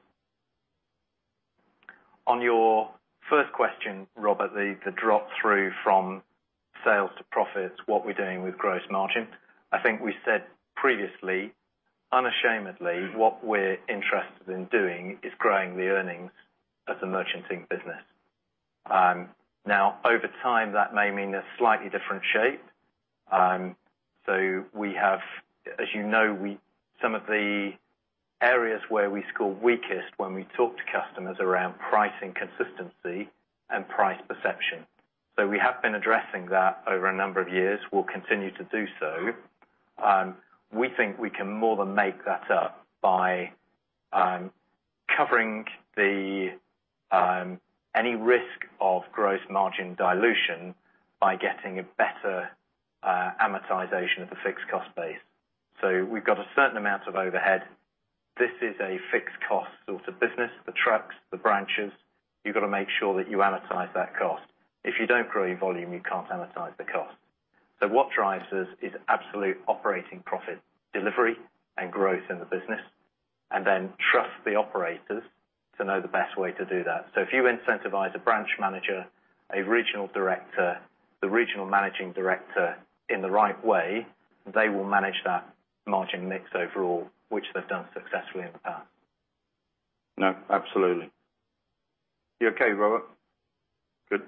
On your first question, Robert, the drop-through from sales to profits, what we're doing with gross margin, I think we said previously, unashamedly, what we're interested in doing is growing the earnings as a merchanting business. Over time, that may mean a slightly different shape. We have, as you know, some of the areas where we score weakest when we talk to customers around pricing consistency and price perception. We have been addressing that over a number of years. We'll continue to do so. We think we can more than make that up by covering any risk of gross margin dilution by getting a better amortization of the fixed cost base. We've got a certain amount of overhead. This is a fixed cost sort of business, the trucks, the branches, you've got to make sure that you amortize that cost. If you don't grow your volume, you can't amortize the cost. What drives us is absolute operating profit delivery and growth in the business, and then trust the operators to know the best way to do that. If you incentivize a branch manager, a regional director, the regional managing director in the right way, they will manage that margin mix overall, which they've done successfully in the past. No, absolutely. You okay, Robert? Good.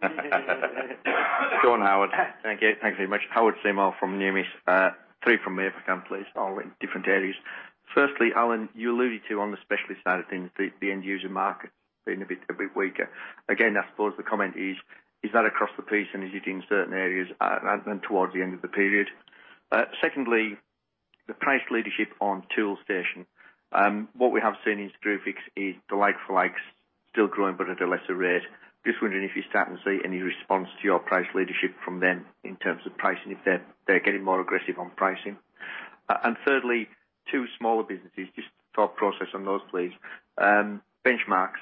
Go on, Howard. Thank you. Thank you very much. Howard Seymour from Numis. Three from me if I can please, all in different areas. Alan, you alluded to on the specialist side of things, the end user market being a bit weaker. I suppose the comment is that across the piece and is it in certain areas and towards the end of the period? The price leadership on Toolstation. What we have seen in Screwfix is the like for like still growing but at a lesser rate. Just wondering if you're starting to see any response to your price leadership from them in terms of pricing, if they're getting more aggressive on pricing. Two smaller businesses. Just your thought process on those, please. Benchmarx,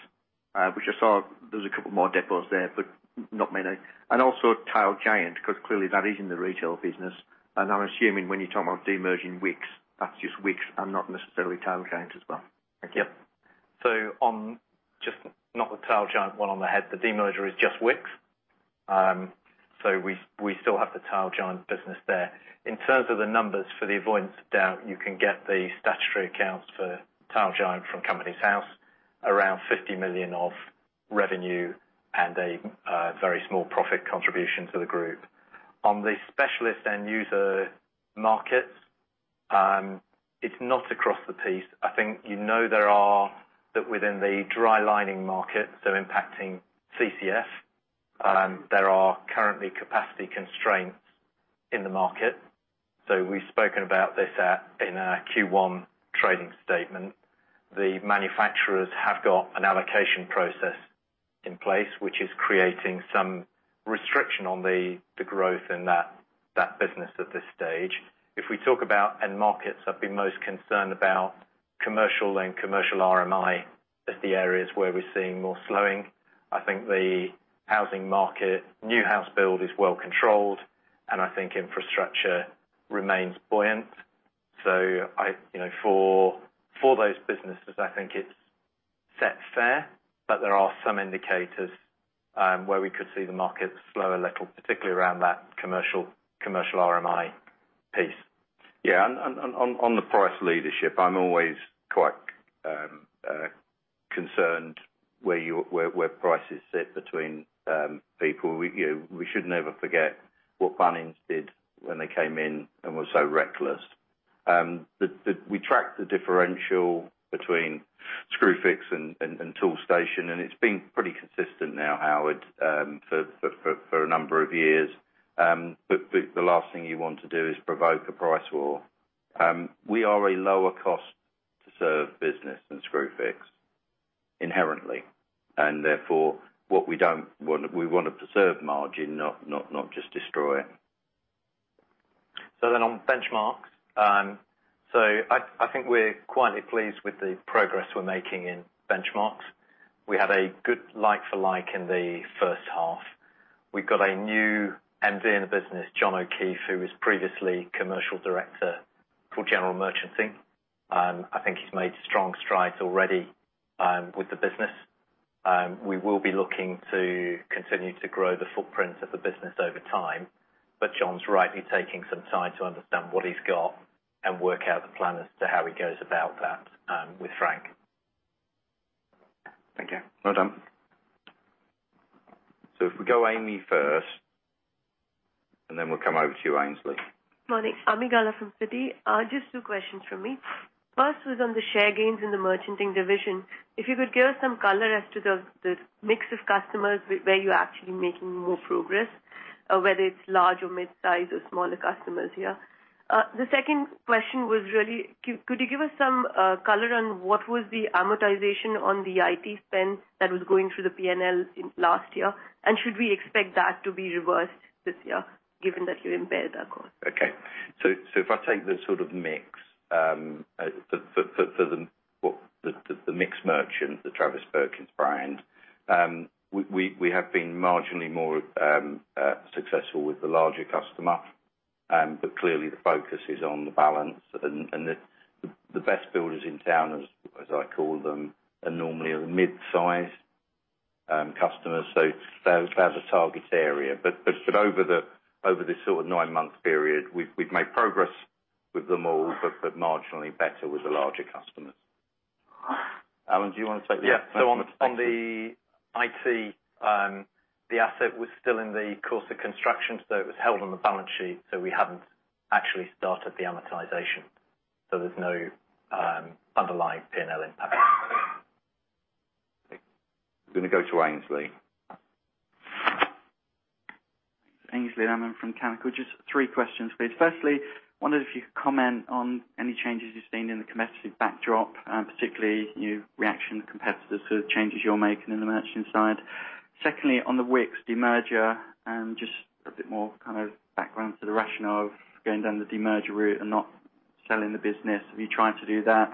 which I saw there's a couple more depots there, but not many, and also Tile Giant, because clearly that is in the retail business, and I'm assuming when you talk about de-merging Wickes, that's just Wickes and not necessarily Tile Giant as well. Thank you. On just not the Tile Giant one on the head, the de-merger is just Wickes. We still have the Tile Giant business there. In terms of the numbers, for the avoidance of doubt, you can get the statutory accounts for Tile Giant from Companies House, around 50 million of revenue and a very small profit contribution to the group. On the specialist end user markets, it's not across the piece. I think you know that within the dry lining market, so impacting CCF, there are currently capacity constraints in the market. We've spoken about this in our Q1 trading statement. The manufacturers have got an allocation process in place, which is creating some restriction on the growth in that business at this stage. If we talk about end markets, I've been most concerned about commercial and commercial RMI as the areas where we're seeing more slowing. I think the housing market, new house build is well controlled, and I think infrastructure remains buoyant. For those businesses, I think it's set fair, but there are some indicators where we could see the market slow a little, particularly around that commercial RMI piece. Yeah. On the price leadership, I'm always quite concerned where prices sit between people. We should never forget what Bunnings did when they came in and were so reckless. We tracked the differential between Screwfix and Toolstation, and it's been pretty consistent now, Howard, for a number of years. The last thing you want to do is provoke a price war. We are a lower cost to serve business than Screwfix, inherently, and therefore, we want to preserve margin, not just destroy it. On Benchmarx, I think we're quietly pleased with the progress we're making in Benchmarx. We had a good like for like in the first half. We've got a new MD in the business, John O'Keeffe, who was previously commercial director for general merchanting. I think he's made strong strides already with the business. We will be looking to continue to grow the footprint of the business over time, John's rightly taking some time to understand what he's got and work out the plan as to how he goes about that with Frank. Thank you. Well done. If we go Ami first and then we'll come over to you, Ainsley. Morning. Ami Galla from Citi. Just two questions from me. First was on the share gains in the merchanting division. If you could give us some color as to the mix of customers where you're actually making more progress, whether it's large or mid-size or smaller customers here. The second question was really, could you give us some color on what was the amortization on the IT spend that was going through the P&L last year? Should we expect that to be reversed this year given that you impaired that cost? Okay. If I take the sort of mix for the mix merchant, the Travis Perkins brand, we have been marginally more successful with the larger customer. Clearly the focus is on the balance and the best builders in town, as I call them, are normally the mid-size customers. That's a target area. Over this sort of nine-month period, we've made progress with them all, but marginally better with the larger customers. Alan, do you want to take the second question? Yeah. On the IT, the asset was still in the course of construction, so it was held on the balance sheet. We haven't actually started the amortization, so there's no underlying P&L impact. I'm going to go to Ainsley. Ainsley Hammond from Canaccord Genuity. Just three questions, please. Firstly, wondered if you could comment on any changes you've seen in the competitive backdrop, particularly new reaction to competitors to the changes you're making in the merchant side? Secondly, on the Wickes demerger and just a bit more kind of background to the rationale of going down the demerger route and not selling the business. Have you tried to do that?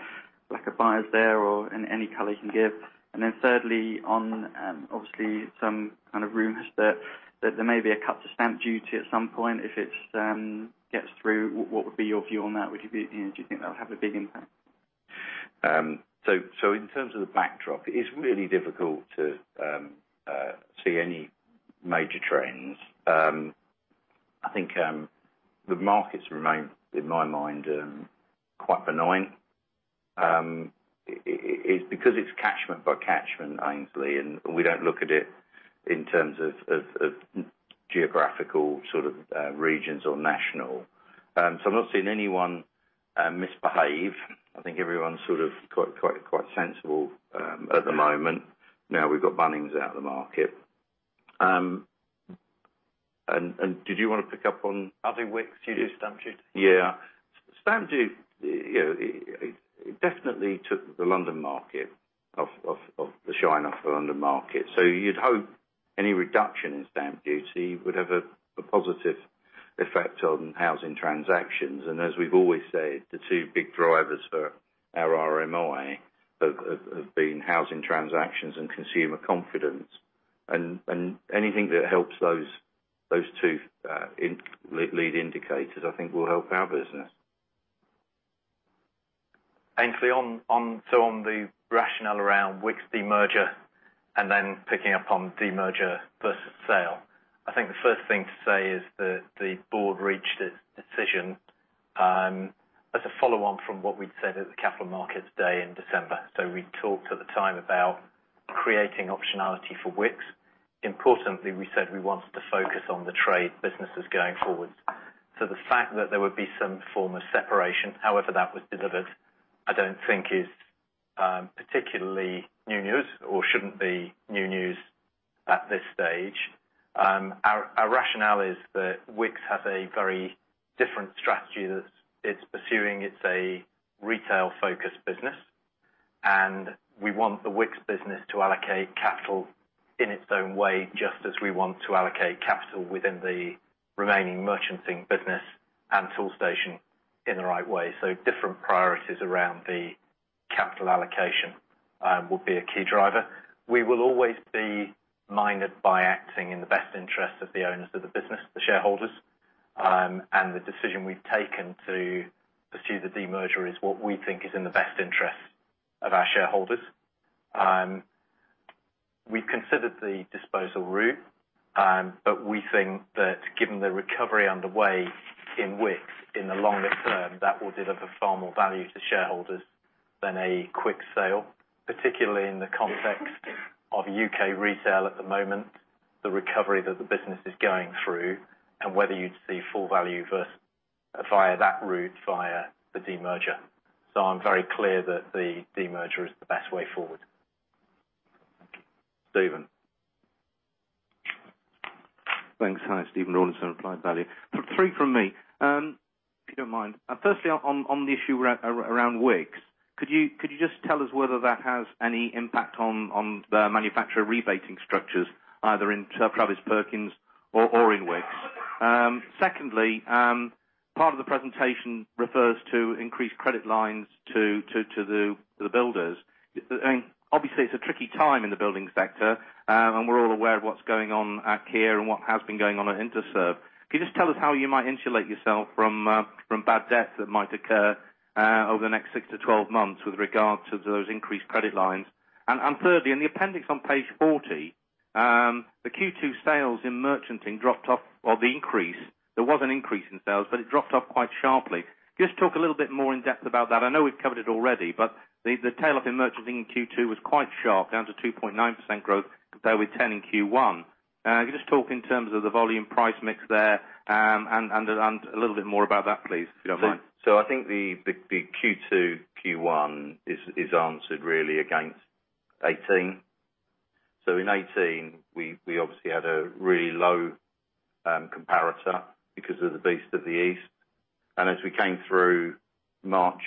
Lack of buyers there or any color you can give. Thirdly on, obviously, some kind of rumors that there may be a cut to stamp duty at some point. If it gets through, what would be your view on that? Do you think that would have a big impact? In terms of the backdrop, it is really difficult to see any major trends. I think the markets remain, in my mind, quite benign. It's because it's catchment by catchment, Ainsley, and we don't look at it in terms of geographical sort of regions or national. I've not seen anyone misbehave. I think everyone's sort of quite sensible at the moment now we've got Bunnings out of the market. Did you want to pick up on? I think Wickes, you do stamp duty. Yeah. Stamp duty, it definitely took the shine off the London market. You'd hope any reduction in stamp duty would have a positive effect on housing transactions. As we've always said, the two big drivers for our RMI have been housing transactions and consumer confidence. Anything that helps those two lead indicators, I think, will help our business. Ainsley, on the rationale around Wickes demerger and then picking up on demerger versus sale, I think the first thing to say is that the board reached its decision as a follow-on from what we'd said at the Capital Markets Day in December. We talked at the time about creating optionality for Wickes. Importantly, we said we wanted to focus on the trade businesses going forward. The fact that there would be some form of separation, however that was delivered, I don't think is particularly new news or shouldn't be new news at this stage. Our rationale is that Wickes has a very different strategy that it's pursuing. It's a retail-focused business, and we want the Wickes business to allocate capital in its own way, just as we want to allocate capital within the remaining merchanting business and Toolstation in the right way. Different priorities around the capital allocation will be a key driver. We will always be minded by acting in the best interest of the owners of the business, the shareholders. The decision we've taken to pursue the demerger is what we think is in the best interest of our shareholders. We've considered the disposal route, but we think that given the recovery underway in Wickes in the longer term, that will deliver far more value to shareholders than a quick sale, particularly in the context of U.K. retail at the moment, the recovery that the business is going through and whether you'd see full value versus via that route via the demerger. I'm very clear that the demerger is the best way forward. Thank you. Stephen. Thanks. Hi, Stephen Rawlinson, Applied Value. Three from me, if you don't mind. Firstly, on the issue around Wickes, could you just tell us whether that has any impact on the manufacturer rebating structures either in Travis Perkins or in Wickes? Secondly, part of the presentation refers to increased credit lines to the builders. Obviously, it's a tricky time in the building sector, and we're all aware of what's going on at Kier and what has been going on at Interserve. Can you just tell us how you might insulate yourself from bad debt that might occur over the next 6-12 months with regard to those increased credit lines? Thirdly, in the appendix on page 40, the Q2 sales in merchanting dropped off or the increase, there was an increase in sales, but it dropped off quite sharply. Can you just talk a little bit more in depth about that? I know we've covered it already, but the tail off in merchanting in Q2 was quite sharp, down to 2.9% growth compared with 10% in Q1. Can you just talk in terms of the volume price mix there, and a little bit more about that please, if you don't mind. I think the Q2, Q1 is answered really against 2018. In 2018, we obviously had a really low comparator because of the Beast from the East. As we came through March,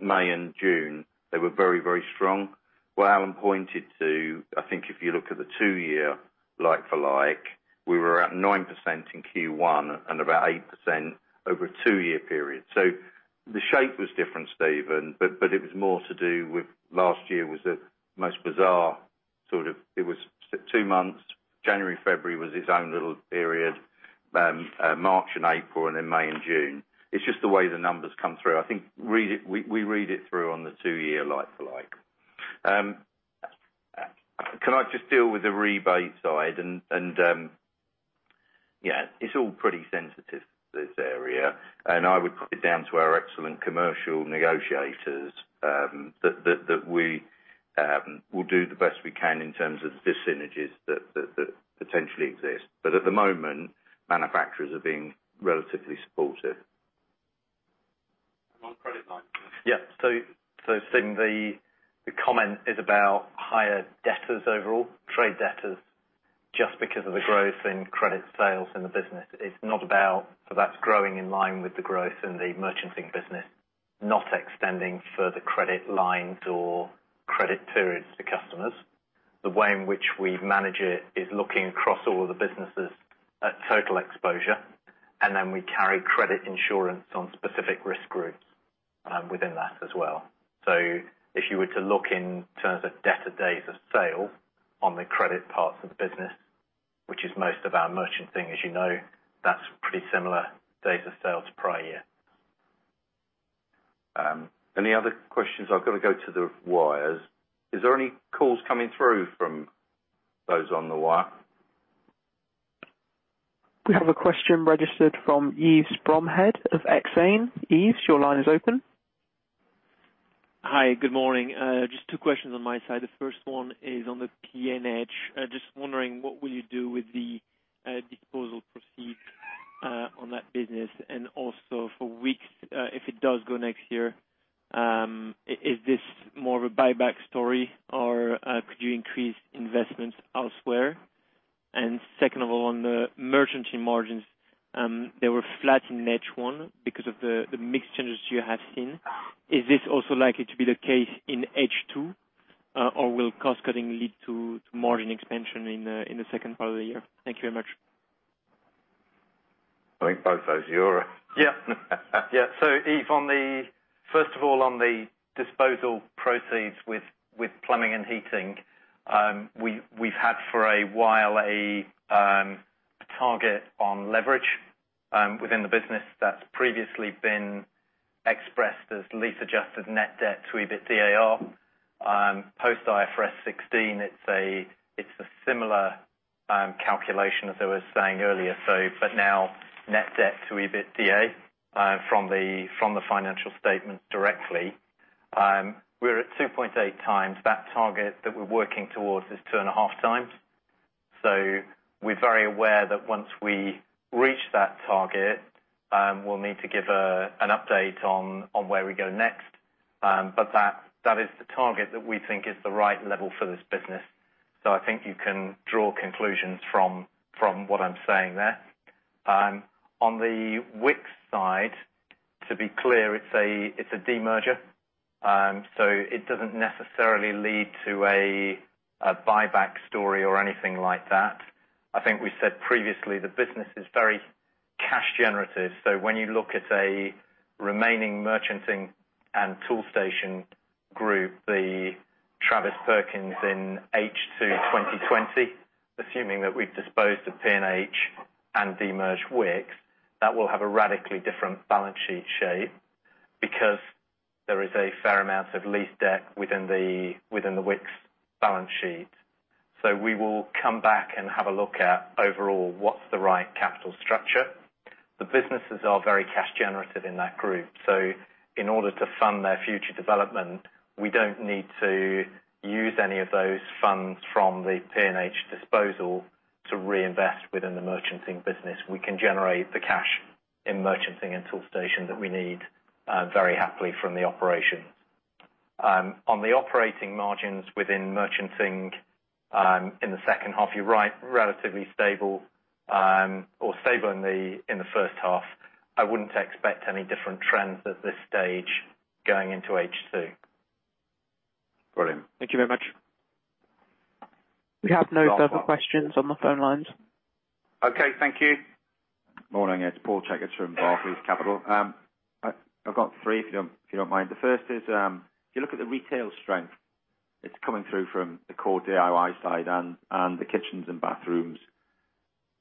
May, and June, they were very, very strong. What Alan pointed to, I think if you look at the two-year like for like, we were at 9% in Q1 and about 8% over a two-year period. The shape was different, Stephen, but it was more to do with last year was the most bizarre sort of, it was two months, January, February was its own little period, March and April, and then May and June. It's just the way the numbers come through. I think we read it through on the two-year like for like. Can I just deal with the rebate side? Yeah, it's all pretty sensitive, this area. I would put it down to our excellent commercial negotiators, that we'll do the best we can in terms of the synergies that potentially exist. At the moment, manufacturers are being relatively supportive. On credit lines. Yeah. Stephen, the comment is about higher debtors overall, trade debtors, just because of the growth in credit sales in the business. It's not about, so that's growing in line with the growth in the merchanting business, not extending further credit lines or credit periods to customers. The way in which we manage it is looking across all the businesses at total exposure, and then we carry credit insurance on specific risk groups within that as well. If you were to look in terms of debtor days of sale on the credit parts of the business, which is most of our merchanting, as you know, that's pretty similar days of sales prior year. Any other questions? I've got to go to the wires. Is there any calls coming through from those on the wire? We have a question registered from Yves Bromehead of Exane. Yves, your line is open. Hi, good morning. Just two questions on my side. The first one is on the P&H. Just wondering what will you do with the disposal proceed on that business? Also for Wickes, if it does go next year, is this more of a buyback story, or could you increase investments elsewhere? Second of all, on the merchanting margins, they were flat in H1 because of the mix changes you have seen. Is this also likely to be the case in H2, or will cost-cutting lead to margin expansion in the second part of the year? Thank you very much. You all right. Yeah. Yves, first of all, on the disposal proceeds with plumbing and heating, we've had for a while a target on leverage within the business that's previously been expressed as lease adjusted net debt to EBITDA. Post IFRS 16, it's a similar calculation as I was saying earlier, so but now net debt to EBITDA from the financial statement directly. We're at 2.8 times that target that we're working towards is two and a half times. We're very aware that once we reach that target, we'll need to give an update on where we go next. That is the target that we think is the right level for this business. I think you can draw conclusions from what I'm saying there. On the Wickes side, to be clear, it's a de-merger. It doesn't necessarily lead to a buyback story or anything like that. I think we said previously, the business is very cash generative. When you look at a remaining merchanting and Toolstation group, the Travis Perkins in H2 2020, assuming that we've disposed of P&H and de-merged Wickes, that will have a radically different balance sheet shape because there is a fair amount of lease debt within the Wickes balance sheet. We will come back and have a look at overall, what's the right capital structure. The businesses are very cash generative in that group. In order to fund their future development, we don't need to use any of those funds from the P&H disposal to reinvest within the merchanting business. We can generate the cash in merchanting and Toolstation that we need very happily from the operation. On the operating margins within merchanting in the second half, you're right, relatively stable or stable in the first half. I wouldn't expect any different trends at this stage going into H2. Brilliant. Thank you very much. We have no further questions on the phone lines. Okay, thank you. Morning, it's Paul Checkers from Barclays Capital. I've got three, if you don't mind. The first is, if you look at the retail strength, it's coming through from the core DIY side and the kitchens and bathrooms.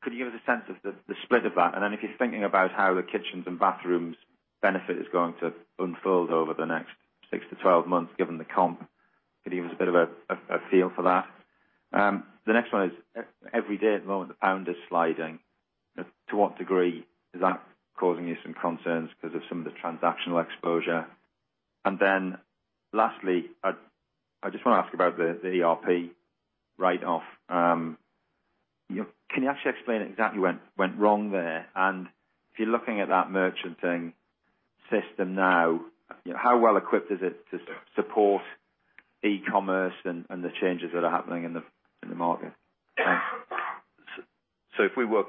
Could you give us a sense of the spread of that? If you're thinking about how the kitchens and bathrooms benefit is going to unfold over the next six to 12 months, given the comp, could you give us a bit of a feel for that? The next one is, every day at the moment, the pound is sliding. To what degree is that causing you some concerns because of some of the transactional exposure? Lastly, I just want to ask about the ERP write-off. Can you actually explain exactly what went wrong there? If you're looking at that merchanting system now, how well equipped is it to support e-commerce and the changes that are happening in the market? If we work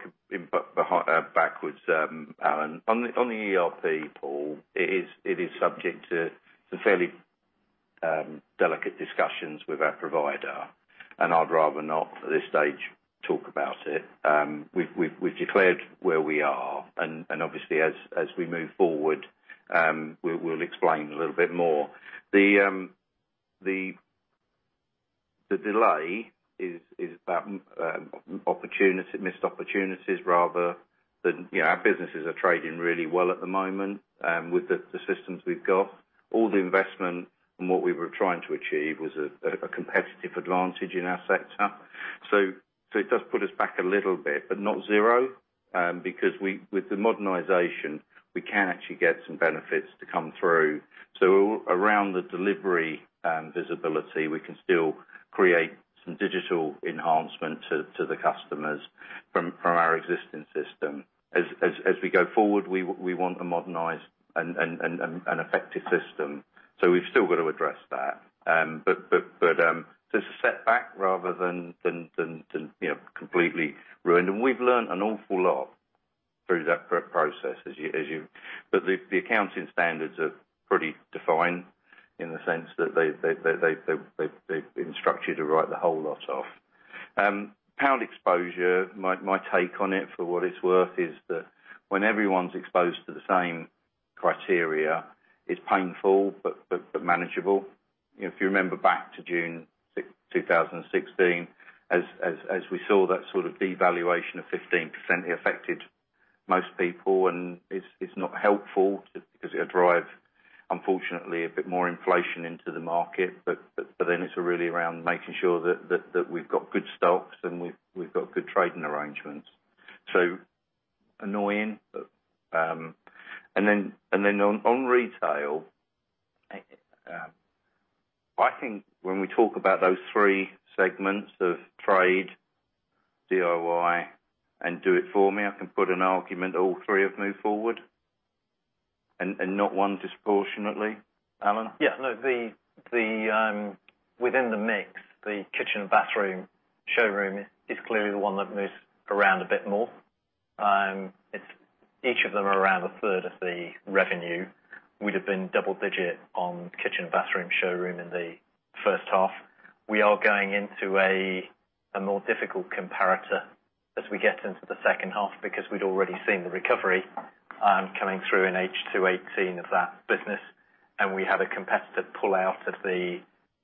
backwards, Alan, on the ERP call, it is subject to some fairly delicate discussions with our provider, and I'd rather not, at this stage, talk about it. We've declared where we are. Obviously, as we move forward, we'll explain a little bit more. The delay is about missed opportunities rather than Our businesses are trading really well at the moment with the systems we've got. All the investment and what we were trying to achieve was a competitive advantage in our sector. It does put us back a little bit, but not zero, because with the modernization, we can actually get some benefits to come through. Around the delivery visibility, we can still create some digital enhancement to the customers from our existing system. As we go forward, we want a modernized and effective system. We've still got to address that. Just a setback rather than completely ruined. We've learned an awful lot through that process, as you. The accounting standards are pretty defined in the sense that they've been structured to write the whole lot off. GBP exposure, my take on it, for what it's worth, is that when everyone's exposed to the same criteria, it's painful but manageable. If you remember back to June 2016, as we saw that sort of devaluation of 15%, it affected most people, and it's not helpful because it'll drive, unfortunately, a bit more inflation into the market. It's really around making sure that we've got good stocks and we've got good trading arrangements. Annoying. On retail, I think when we talk about those three segments of trade, DIY, and do it for me, I can put an argument all three have moved forward and not one disproportionately. Alan? Yeah. No. Within the mix, the kitchen bathroom showroom is clearly the one that moves around a bit more. Each of them are around a third of the revenue. We'd have been double digit on kitchen bathroom showroom in the first half. We are going into a more difficult comparator as we get into the second half because we'd already seen the recovery coming through in H2 2018 of that business, and we had a competitor pull out of the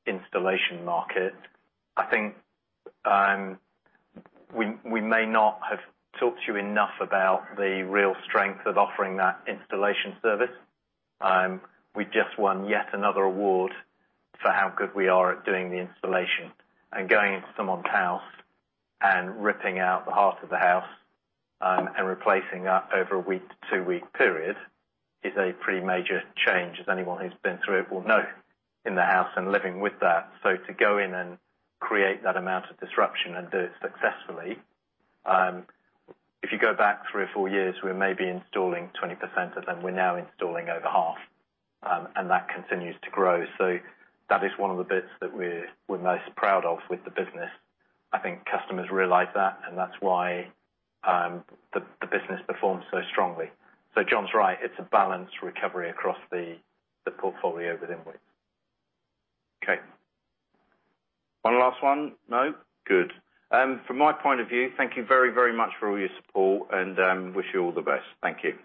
installation market. I think we may not have talked to you enough about the real strength of offering that installation service. We just won yet another award for how good we are at doing the installation and going into someone's house and ripping out the heart of the house, and replacing that over a week to two-week period is a pretty major change, as anyone who's been through it will know, in the house and living with that. To go in and create that amount of disruption and do it successfully, if you go back three or four years, we were maybe installing 20% of them. We're now installing over half, and that continues to grow. That is one of the bits that we're most proud of with the business. I think customers realize that, and that's why the business performs so strongly. John's right, it's a balanced recovery across the portfolio within Wickes. Okay. One last one? No? Good. From my point of view, thank you very, very much for all your support, and wish you all the best. Thank you.